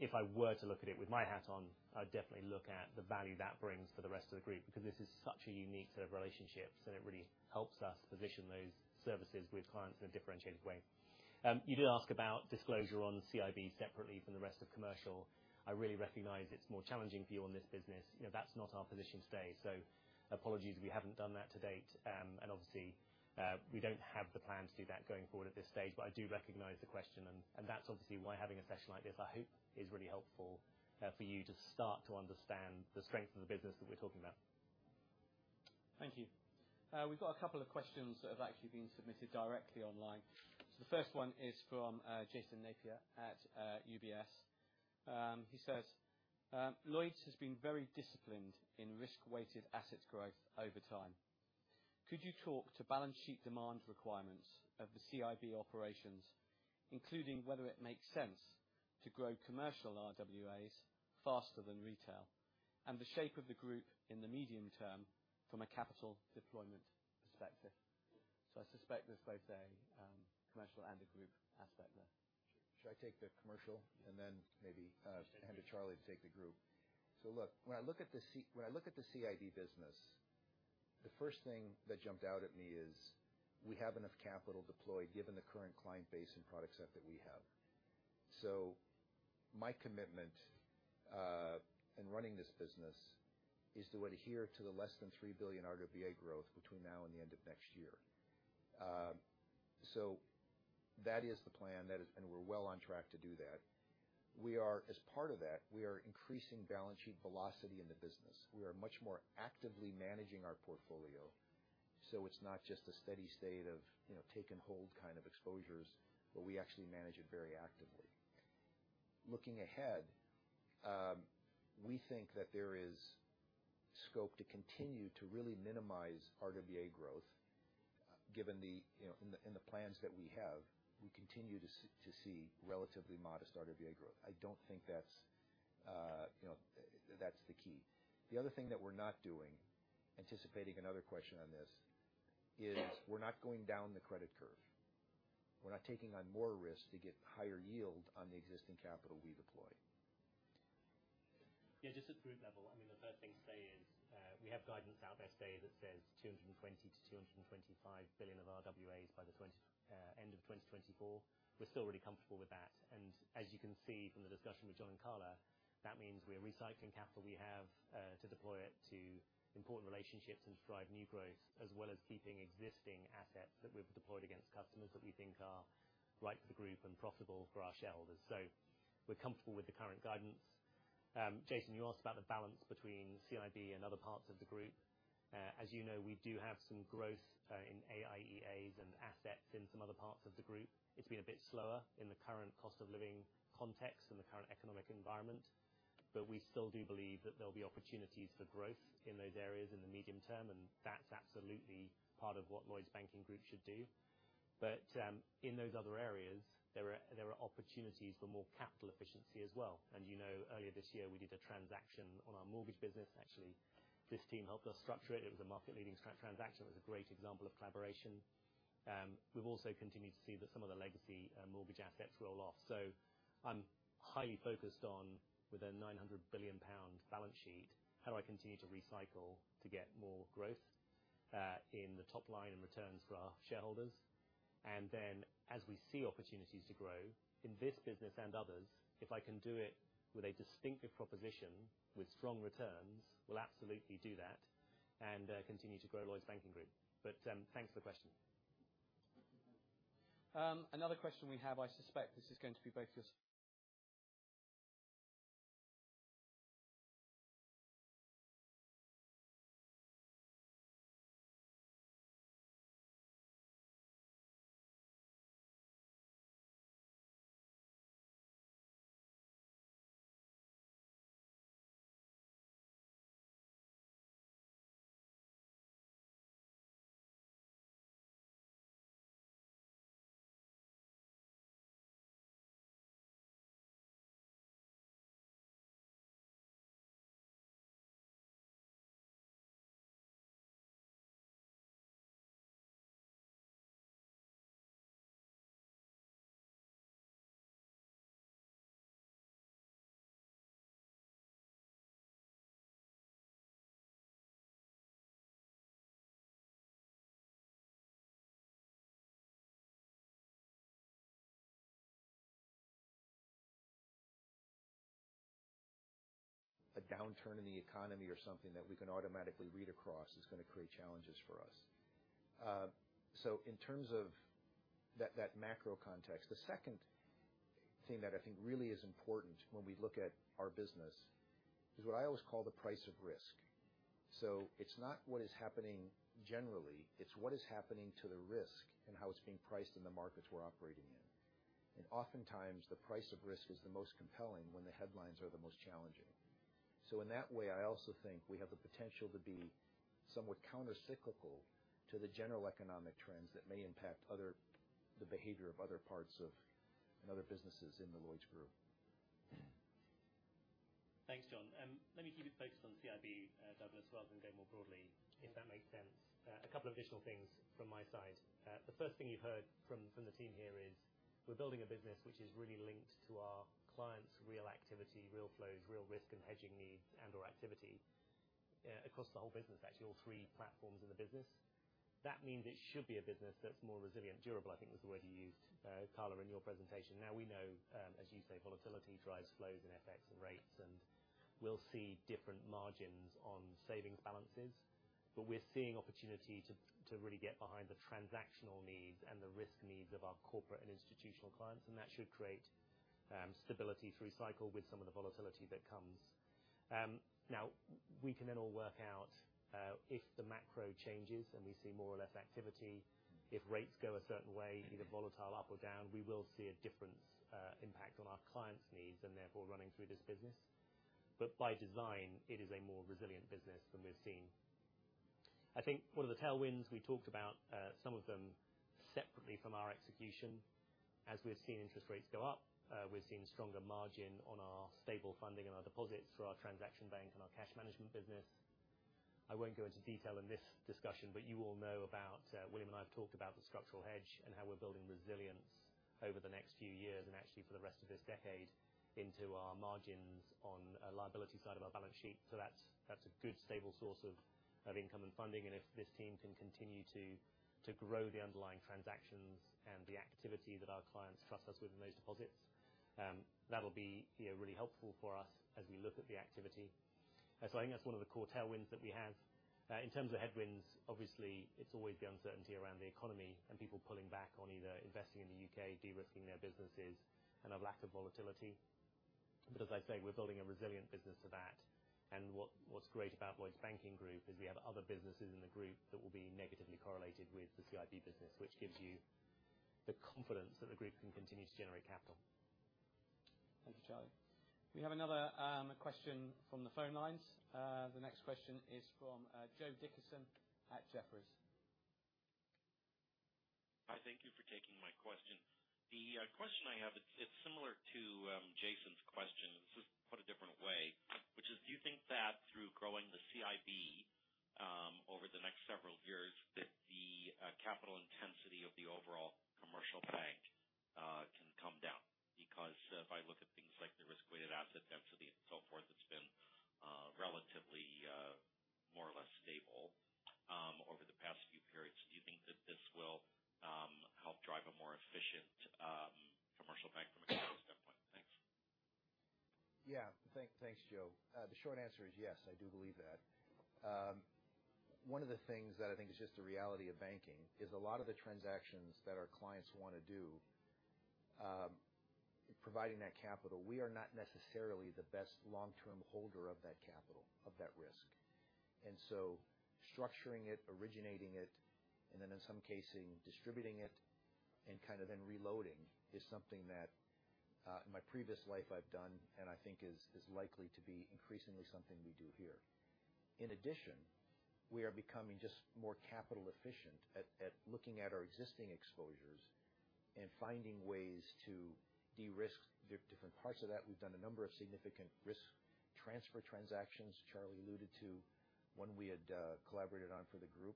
if I were to look at it with my hat on, I'd definitely look at the value that brings for the rest of the group, because this is such a unique set of relationships, and it really helps us position those services with clients in a differentiated way. You did ask about disclosure on CIB separately from the rest of commercial. I really recognize it's more challenging for you on this business. You know, that's not our position today, so apologies, we haven't done that to date. Obviously, we don't have the plan to do that going forward at this stage, but I do recognize the question, and that's obviously why having a session like this, I hope, is really helpful for you to start to understand the strength of the business that we're talking about. Thank you. We've got a couple of questions that have actually been submitted directly online. So the first one is from Jason Napier at UBS. He says, "Lloyds has been very disciplined in risk-weighted asset growth over time. Could you talk to balance sheet demand requirements of the CIB operations, including whether it makes sense to grow commercial RWAs faster than retail, and the shape of the group in the medium term from a capital deployment perspective?" So I suspect there's both a commercial and a group aspect there. Should I take the commercial and then maybe hand to Charlie to take the group? So look, when I look at the CIB business, the first thing that jumped out at me is we have enough capital deployed, given the current client base and product set that we have. So my commitment in running this business is to adhere to the less than three billion RWA growth between now and the end of next year. So that is the plan, that is, and we're well on track to do that. We are, as part of that, we are increasing balance sheet velocity in the business. We are much more actively managing our portfolio, so it's not just a steady state of, you know, take and hold kind of exposures, but we actually manage it very actively. Looking ahead, we think that there is scope to continue to really minimize RWA growth, given the, you know, in the plans that we have, we continue to see relatively modest RWA growth. I don't think that's, you know, that's the key. The other thing that we're not doing, anticipating another question on this, is we're not going down the credit curve. We're not taking on more risk to get higher yield on the existing capital we deploy. Yeah, just at the group level, I mean, the first thing to say is, we have guidance out there today that says 220-225 billion of RWAs by the end of 2024. We're still really comfortable with that. And as you can see from the discussion with John and Carla, that means we are recycling capital we have, to deploy it to important relationships and to drive new growth, as well as keeping existing assets that we've deployed against customers that we think are right for the group and profitable for our shareholders. So we're comfortable with the current guidance. Jason, you asked about the balance between CIB and other parts of the group. As you know, we do have some growth, in AIEAs and assets in some other parts of the group. It's been a bit slower in the current cost of living context and the current economic environment, but we still do believe that there'll be opportunities for growth in those areas in the medium term, and that's absolutely part of what Lloyds Banking Group should do. But, in those other areas, there are opportunities for more capital efficiency as well. And you know, earlier this year, we did a transaction on our mortgage business. Actually, this team helped us structure it. It was a market-leading transaction. It was a great example of collaboration. We've also continued to see that some of the legacy mortgage assets roll off. So I'm highly focused on, with a 900 billion pound balance sheet, how do I continue to recycle to get more growth in the top line and returns for our shareholders? And then, as we see opportunities to grow in this business and others, if I can do it with a distinctive proposition, with strong returns, we'll absolutely do that and, continue to grow Lloyds Banking Group. But, thanks for the question. Another question we have, I suspect this is going to be both of us A downturn in the economy or something that we can automatically read across is going to create challenges for us. So in terms of that, that macro context, the second thing that I think really is important when we look at our business is what I always call the price of risk. So it's not what is happening generally, it's what is happening to the risk and how it's being priced in the markets we're operating in. And oftentimes, the price of risk is the most compelling when the headlines are the most challenging. So in that way, I also think we have the potential to be somewhat countercyclical to the general economic trends that may impact other, the behavior of other parts of, and other businesses in the Lloyds Group. Thanks, John. Let me keep it focused on CIB, Douglas, rather than go more broadly, if that makes sense. A couple of additional things from my side. The first thing you've heard from, from the team here is we're building a business which is really linked to our clients' real activity, real flows, real risk, and hedging needs and/or activity, across the whole business, actually, all three platforms in the business. That means it should be a business that's more resilient, durable, I think, was the word you used, Carla, in your presentation. Now, we know, as you say, volatility drives flows and FX and rates, and we'll see different margins on savings balances, but we're seeing opportunity to really get behind the transactional needs and the risk needs of our corporate and institutional clients, and that should create stability through cycle with some of the volatility that comes. Now, we can then all work out, if the macro changes and we see more or less activity, if rates go a certain way, either volatile up or down, we will see a different impact on our clients' needs and therefore running through this business. But by design, it is a more resilient business than we've seen. I think one of the tailwinds, we talked about, some of them separately from our execution. As we've seen interest rates go up, we've seen stronger margin on our stable funding and our deposits through our transaction bank and our cash management business. I won't go into detail in this discussion, but you all know about William and I have talked about the Structural Hedge and how we're building resilience over the next few years and actually for the rest of this decade, into our margins on the liability side of our balance sheet. So that's a good stable source of income and funding. And if this team can continue to grow the underlying transactions and the activity that our clients trust us with in those deposits, that'll be, you know, really helpful for us as we look at the activity. So I think that's one of the core tailwinds that we have. In terms of headwinds, obviously, it's always the uncertainty around the economy and people pulling back on either investing in the U.K., de-risking their businesses, and a lack of volatility. But as I say, we're building a resilient business to that. What's great about Lloyds Banking Group is we have other businesses in the group that will be negatively correlated with the CIB business, which gives you the confidence that the group can continue to generate capital. Thank you, Charlie. We have another question from the phone lines. The next question is from Joe Dickerson at Jefferies. Hi, thank you for taking my question. The question I have, it's, it's similar to Jason's question, this is put a different way, which is: Do you think that through growing the CIB, over the next several years, that the capital intensity of the overall commercial bank can come down? Because if I look at things like the risk-weighted asset density and so forth, it's been relatively more or less stable over the past few periods. Do you think that this will help drive a more efficient commercial bank from a capital standpoint? Thanks. Yeah. Thanks, Joe. The short answer is yes, I do believe that. One of the things that I think is just the reality of banking is a lot of the transactions that our clients want to do, providing that capital, we are not necessarily the best long-term holder of that capital, of that risk. And so structuring it, originating it, and then in some cases, distributing it, and kind of then reloading, is something that, in my previous life I've done, and I think is likely to be increasingly something we do here. In addition, we are becoming just more capital efficient at looking at our existing exposures and finding ways to de-risk different parts of that. We've done a number of significant risk transfer transactions. Charlie alluded to one we had collaborated on for the group.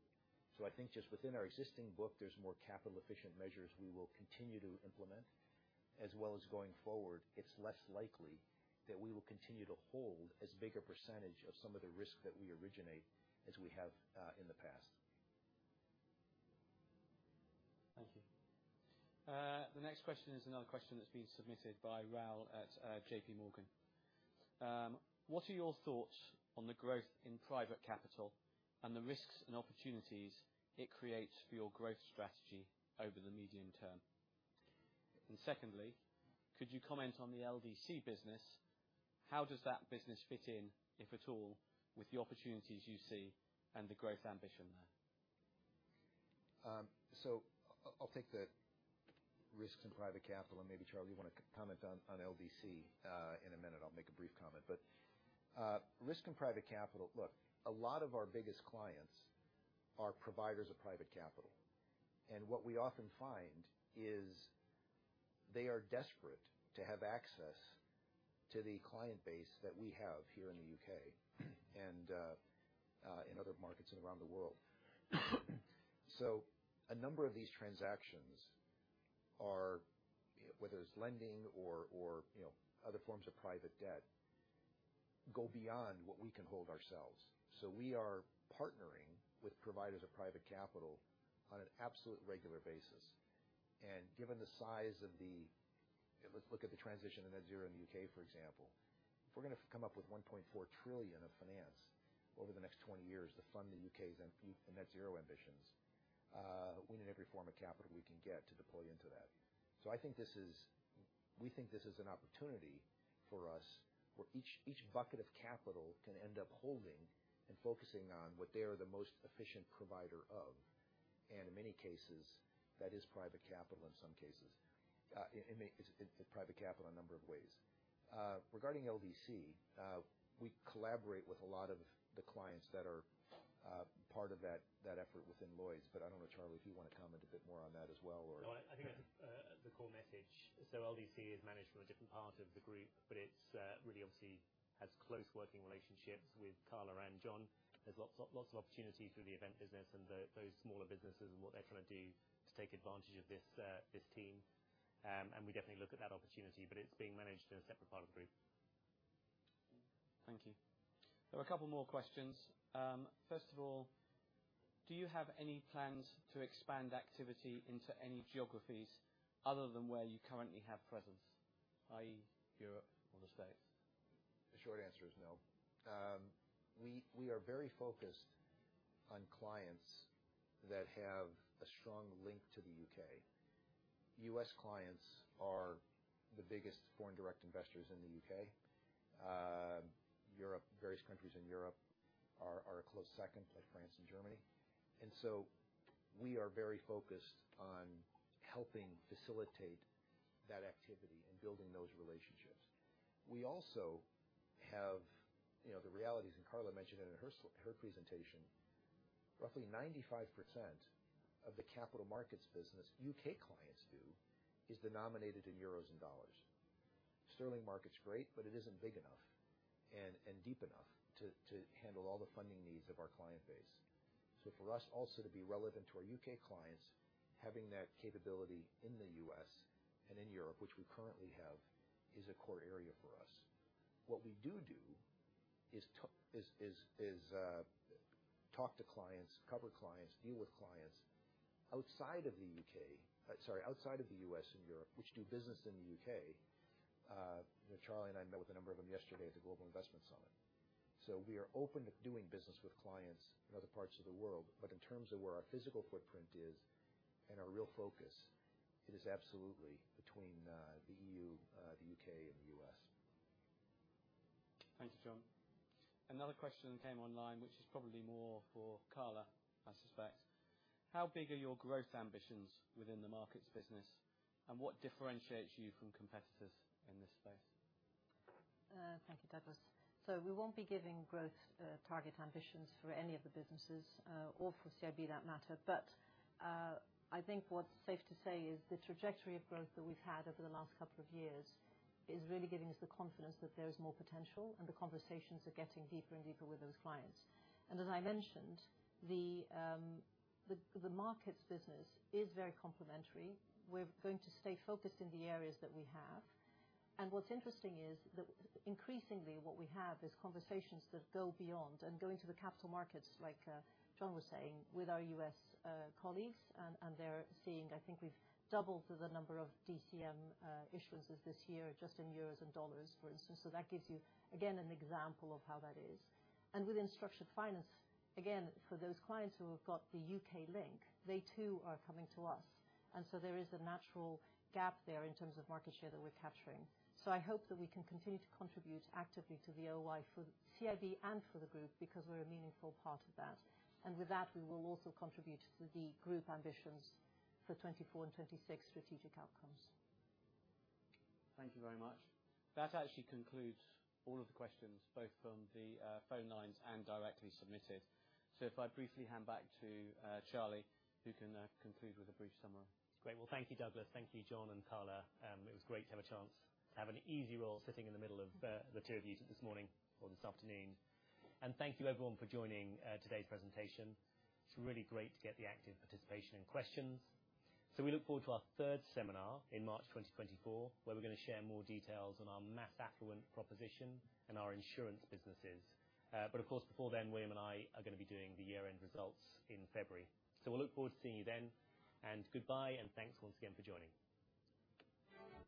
So I think just within our existing book, there's more capital efficient measures we will continue to implement, as well as going forward, it's less likely that we will continue to hold as big a percentage of some of the risk that we originate as we have in the past. Thank you. The next question is another question that's been submitted by Raul at JP Morgan. What are your thoughts on the growth in private capital and the risks and opportunities it creates for your growth strategy over the medium term? And secondly, could you comment on the LDC business? How does that business fit in, if at all, with the opportunities you see and the growth ambition there? So I'll take the risks and private capital, and maybe, Charlie, you want to comment on LDC. In a minute, I'll make a brief comment, but risk and private capital. Look, a lot of our biggest clients are providers of private capital, and what we often find is they are desperate to have access to the client base that we have here in the U.K. and in other markets and around the world. So a number of these transactions are, whether it's lending or you know, other forms of private debt, go beyond what we can hold ourselves. So we are partnering with providers of private capital on an absolute regular basis. And given the size of the let's look at the transition to Net Zero in the U.K., for example. If we're going to come up with 1.4 trillion of finance over the next 20 years to fund the U.K.'s Net Zero ambitions, we need every form of capital we can get to deploy into that. So I think this is, we think this is an opportunity for us, where each bucket of capital can end up holding and focusing on what they are the most efficient provider of. And in many cases, that is private capital, in some cases, in private capital, a number of ways. Regarding LDC, we collaborate with a lot of the clients that are part of that effort within Lloyds. But I don't know, Charlie, if you want to comment a bit more on that as well, or No, I think that's the core message. So LDC is managed from a different part of the group, but it's really obviously has close working relationships with Carla and John. There's lots of, lots of opportunities through the event business and the those smaller businesses and what they're trying to do to take advantage of this this team. And we definitely look at that opportunity, but it's being managed in a separate part of the group. Thank you. There were a couple more questions. First of all, do you have any plans to expand activity into any geographies other than where you currently have presence, i.e., Europe or the States? The short answer is no. We are very focused on clients that have a strong link to the U.K., U.S. clients are the biggest foreign direct investors in the U.K. Europe, various countries in Europe are a close second, like France and Germany, and so we are very focused on helping facilitate that activity and building those relationships. We also have, you know, the realities, and Carla mentioned it in her presentation, roughly 95% of the capital markets business U.K. clients do is denominated in euros and dollars. Sterling market's great, but it isn't big enough and deep enough to handle all the funding needs of our client base. So for us also to be relevant to our U.K. clients, having that capability in the U.S. and in Europe, which we currently have, is a core area for us. What we do is talk to clients, cover clients, deal with clients outside of the U.K., sorry, outside of the U.S. and Europe, which do business in the U.K. Charlie and I met with a number of them yesterday at the Global Investment Summit. So we are open to doing business with clients in other parts of the world, but in terms of where our physical footprint is and our real focus, it is absolutely between the E.U., the U.K., and the U.S. Thank you, John. Another question came online, which is probably more for Carla, I suspect. How big are your growth ambitions within the markets business, and what differentiates you from competitors in this space? Thank you, Douglas. So we won't be giving growth target ambitions for any of the businesses or for CIB, for that matter. But I think what's safe to say is the trajectory of growth that we've had over the last couple of years is really giving us the confidence that there is more potential, and the conversations are getting deeper and deeper with those clients. And as I mentioned, the markets business is very complementary. We're going to stay focused in the areas that we have, and what's interesting is that increasingly what we have is conversations that go beyond and go into the capital markets, like John was saying, with our U.S. colleagues. And they're seeing, I think we've doubled the number of DCM issuances this year just in euros and dollars, for instance. So that gives you, again, an example of how that is. And within structured finance, again, for those clients who have got the U.K. link, they too are coming to us. And so there is a natural gap there in terms of market share that we're capturing. So I hope that we can continue to contribute actively to the OI for CIB and for the group, because we're a meaningful part of that. And with that, we will also contribute to the group ambitions for 2024 and 2026 strategic outcomes. Thank you very much. That actually concludes all of the questions, both from the phone lines and directly submitted. So if I briefly hand back to Charlie, who can conclude with a brief summary. Great. Well, thank you, Douglas. Thank you, John and Carla. It was great to have a chance to have an easy role sitting in the middle of the two of you this morning or this afternoon. And thank you everyone for joining today's presentation. It's really great to get the active participation and questions. So we look forward to our third seminar in March 2024, where we're going to share more details on our mass affluent proposition and our insurance businesses. But of course, before then, William and I are going to be doing the year-end results in February. So we'll look forward to seeing you then. And goodbye, and thanks once again for joining.